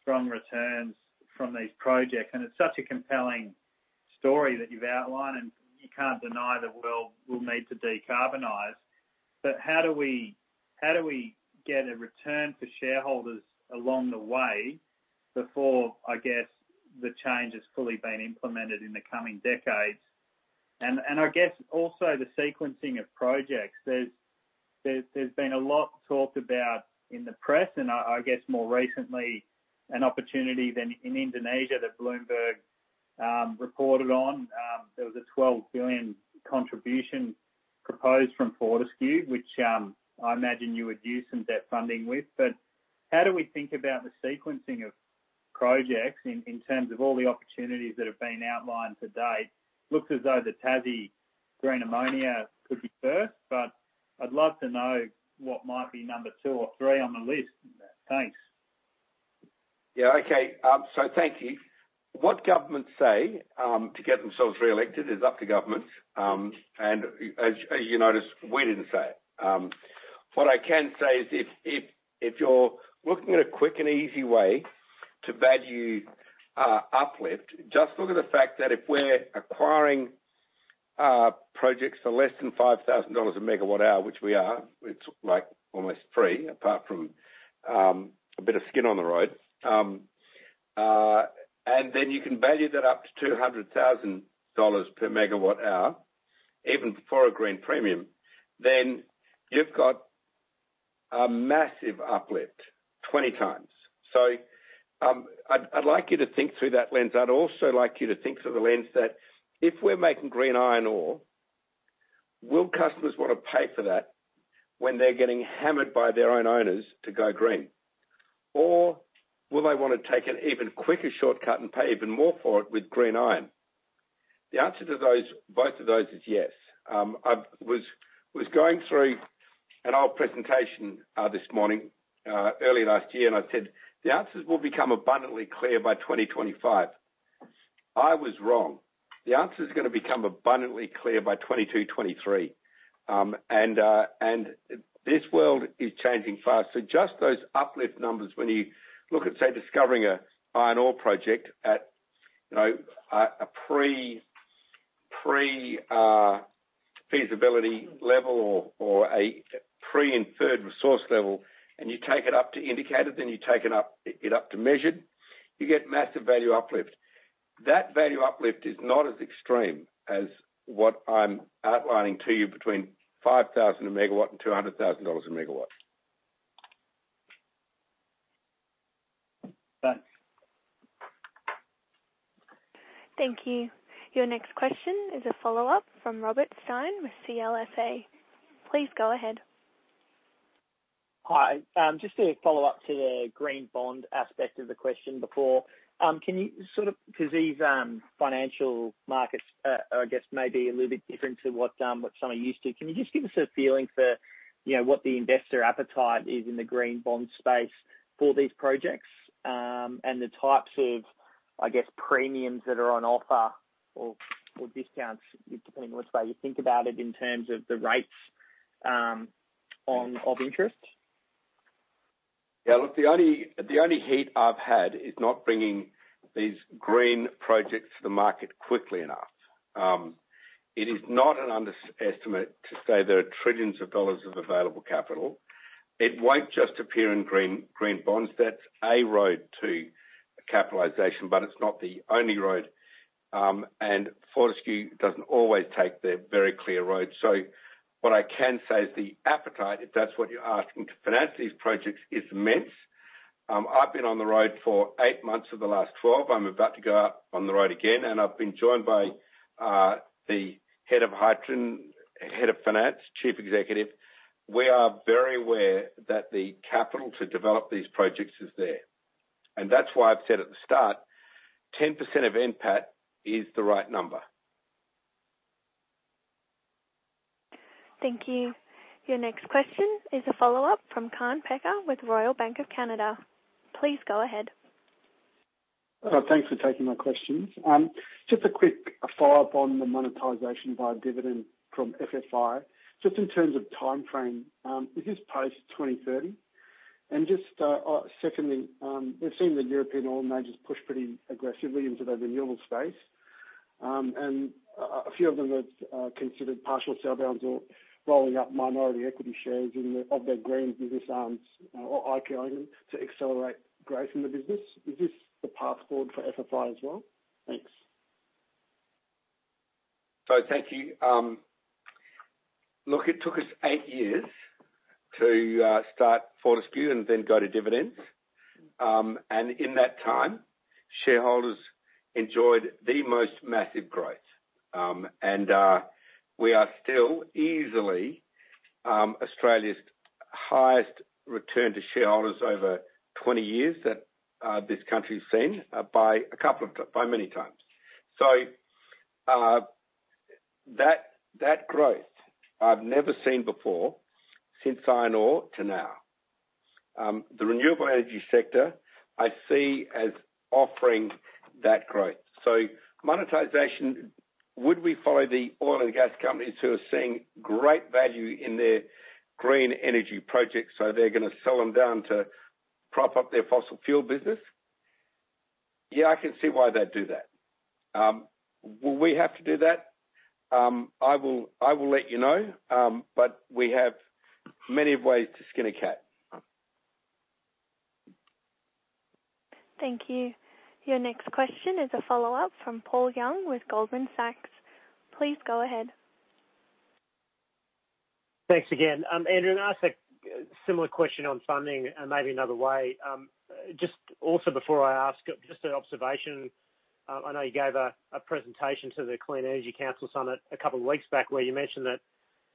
strong returns from these projects. And it's such a compelling story that you've outlined, and you can't deny the world will need to decarbonise. But how do we get a return for shareholders along the way before, I guess, the change has fully been implemented in the coming decades? I guess also the sequencing of projects. There's been a lot talked about in the press, and I guess more recently an opportunity in Indonesia that Bloomberg reported on. There was a 12 billion contribution proposed from Fortescue, which I imagine you would use some debt funding with. How do we think about the sequencing of projects in terms of all the opportunities that have been outlined to date? Looks as though the Tassie green ammonia could be first, but I'd love to know what might be number two or three on the list in that case. Yeah. Okay. Thank you. What governments say to get themselves re-elected is up to governments. As you noticed, we didn't say it. What I can say is if you're looking at a quick and easy way to value uplift, just look at the fact that if we're acquiring projects for less than 5,000 dollars a megawatt hour, which we are, it's almost free apart from a bit of skin on the road. And then you can value that up to 200,000 dollars per megawatt hour, even for a green premium, then you've got a massive uplift 20 times. I would like you to think through that lens. I would also like you to think through the lens that if we're making green iron ore, will customers want to pay for that when they're getting hammered by their own owners to go green? Or will they want to take an even quicker shortcut and pay even more for it with green iron? The answer to both of those is yes. I was going through an old presentation this morning early last year, and I said, "The answers will become abundantly clear by 2025." I was wrong. The answer is going to become abundantly clear by 2022, 2023. This world is changing fast. Just those uplift numbers, when you look at, say, discovering an iron ore project at a pre-feasibility level or a pre-inferred resource level, and you take it up to indicator, then you take it up to measured, you get massive value uplift. That value uplift is not as extreme as what I'm outlining to you between 5,000 a megawatt and 200,000 dollars a megawatt. Thanks. Thank you. Your next question is a follow-up from Robert Stein with CLSA. Please go ahead. Hi. Just to follow up to the green bond aspect of the question before, can you sort of, because these financial markets, I guess, may be a little bit different to what some are used to. Can you just give us a feeling for what the investor appetite is in the green bond space for these projects and the types of, I guess, premiums that are on offer or discounts, depending on which way you think about it in terms of the rates of interest? Yeah. Look, the only heat I've had is not bringing these green projects to the market quickly enough. It is not an underestimate to say there are trillions of dollars of available capital. It will not just appear in green bonds. That is a road to capitalisation, but it is not the only road. Fortescue does not always take the very clear road. What I can say is the appetite, if that's what you're asking, to finance these projects is immense. I've been on the road for eight months of the last 12. I'm about to go out on the road again. I've been joined by the Head of Hydrogen, Head of Finance, Chief Executive. We are very aware that the capital to develop these projects is there. That's why I've said at the start, 10% of NPAT is the right number. Thank you. Your next question is a follow-up from Kaan Peker with Royal Bank of Canada. Please go ahead. Thanks for taking my questions. Just a quick follow-up on the monetisation by dividend from FFI. Just in terms of timeframe, is this post-2030? Just secondly, we've seen the European oil majors push pretty aggressively into the renewable space. A few of them have considered partial sell downs or rolling up minority equity shares of their green business arms or IPOing them to accelerate growth in the business. Is this the path forward for FFI as well? Thanks. Thank you. Look, it took us eight years to start Fortescue and then go to dividends. In that time, shareholders enjoyed the most massive growth. We are still easily Australia's highest return to shareholders over 20 years that this country has seen by many times. That growth I've never seen before since iron ore to now. The renewable energy sector I see as offering that growth. Monetisation, would we follow the oil and gas companies who are seeing great value in their green energy projects so they're going to sell them down to prop up their fossil fuel business? Yeah, I can see why they'd do that. Will we have to do that? I will let you know. But we have many ways to skin a cat. Thank you. Your next question is a follow-up from Paul Young with Goldman Sachs. Please go ahead. Thanks again. Andrew, I'll ask a similar question on funding and maybe another way. Just also before I ask, just an observation. I know you gave a presentation to the Clean Energy Council Summit a couple of weeks back where you mentioned that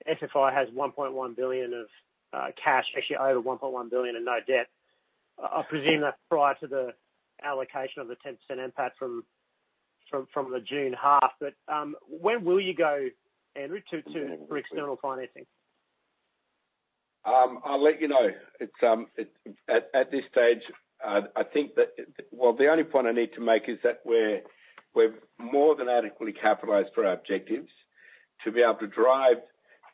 FFI has 1.1 billion of cash, actually over 1.1 billion and no debt. I presume that's prior to the allocation of the 10% NPAT from the June half. But where will you go, Andrew, for external financing? I'll let you know. At this stage, I think that, the only point I need to make is that we're more than adequately capitalized for our objectives to be able to drive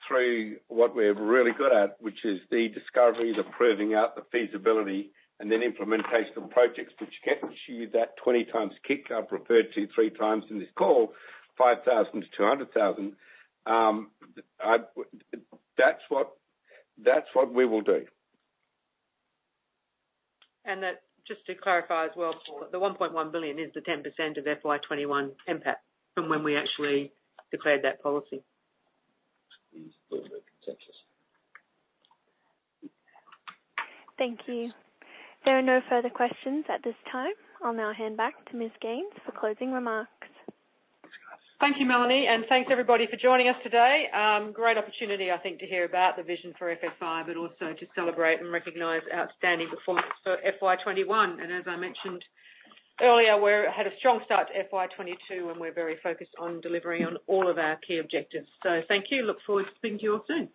through what we're really good at, which is the discovery of proving out the feasibility and then implementation of projects which get you that 20 times kick I've referred to three times in this call, 5,000 to 200,000. That's what we will do. And just to clarify as well, the 1.1 billion is the 10% of FY21 NPAT from when we actually declared that policy. Thank you. There are no further questions at this time. I'll now hand back to Ms. Gaines for closing remarks. Thank you, Melanie. And thanks, everybody, for joining us today. Great opportunity, I think, to hear about the vision for FFI, but also to celebrate and recognize outstanding performance for FY21. As I mentioned earlier, we had a strong start to FY22, and we're very focused on delivering on all of our key objectives. Thank you. Look forward to speaking to you all soon.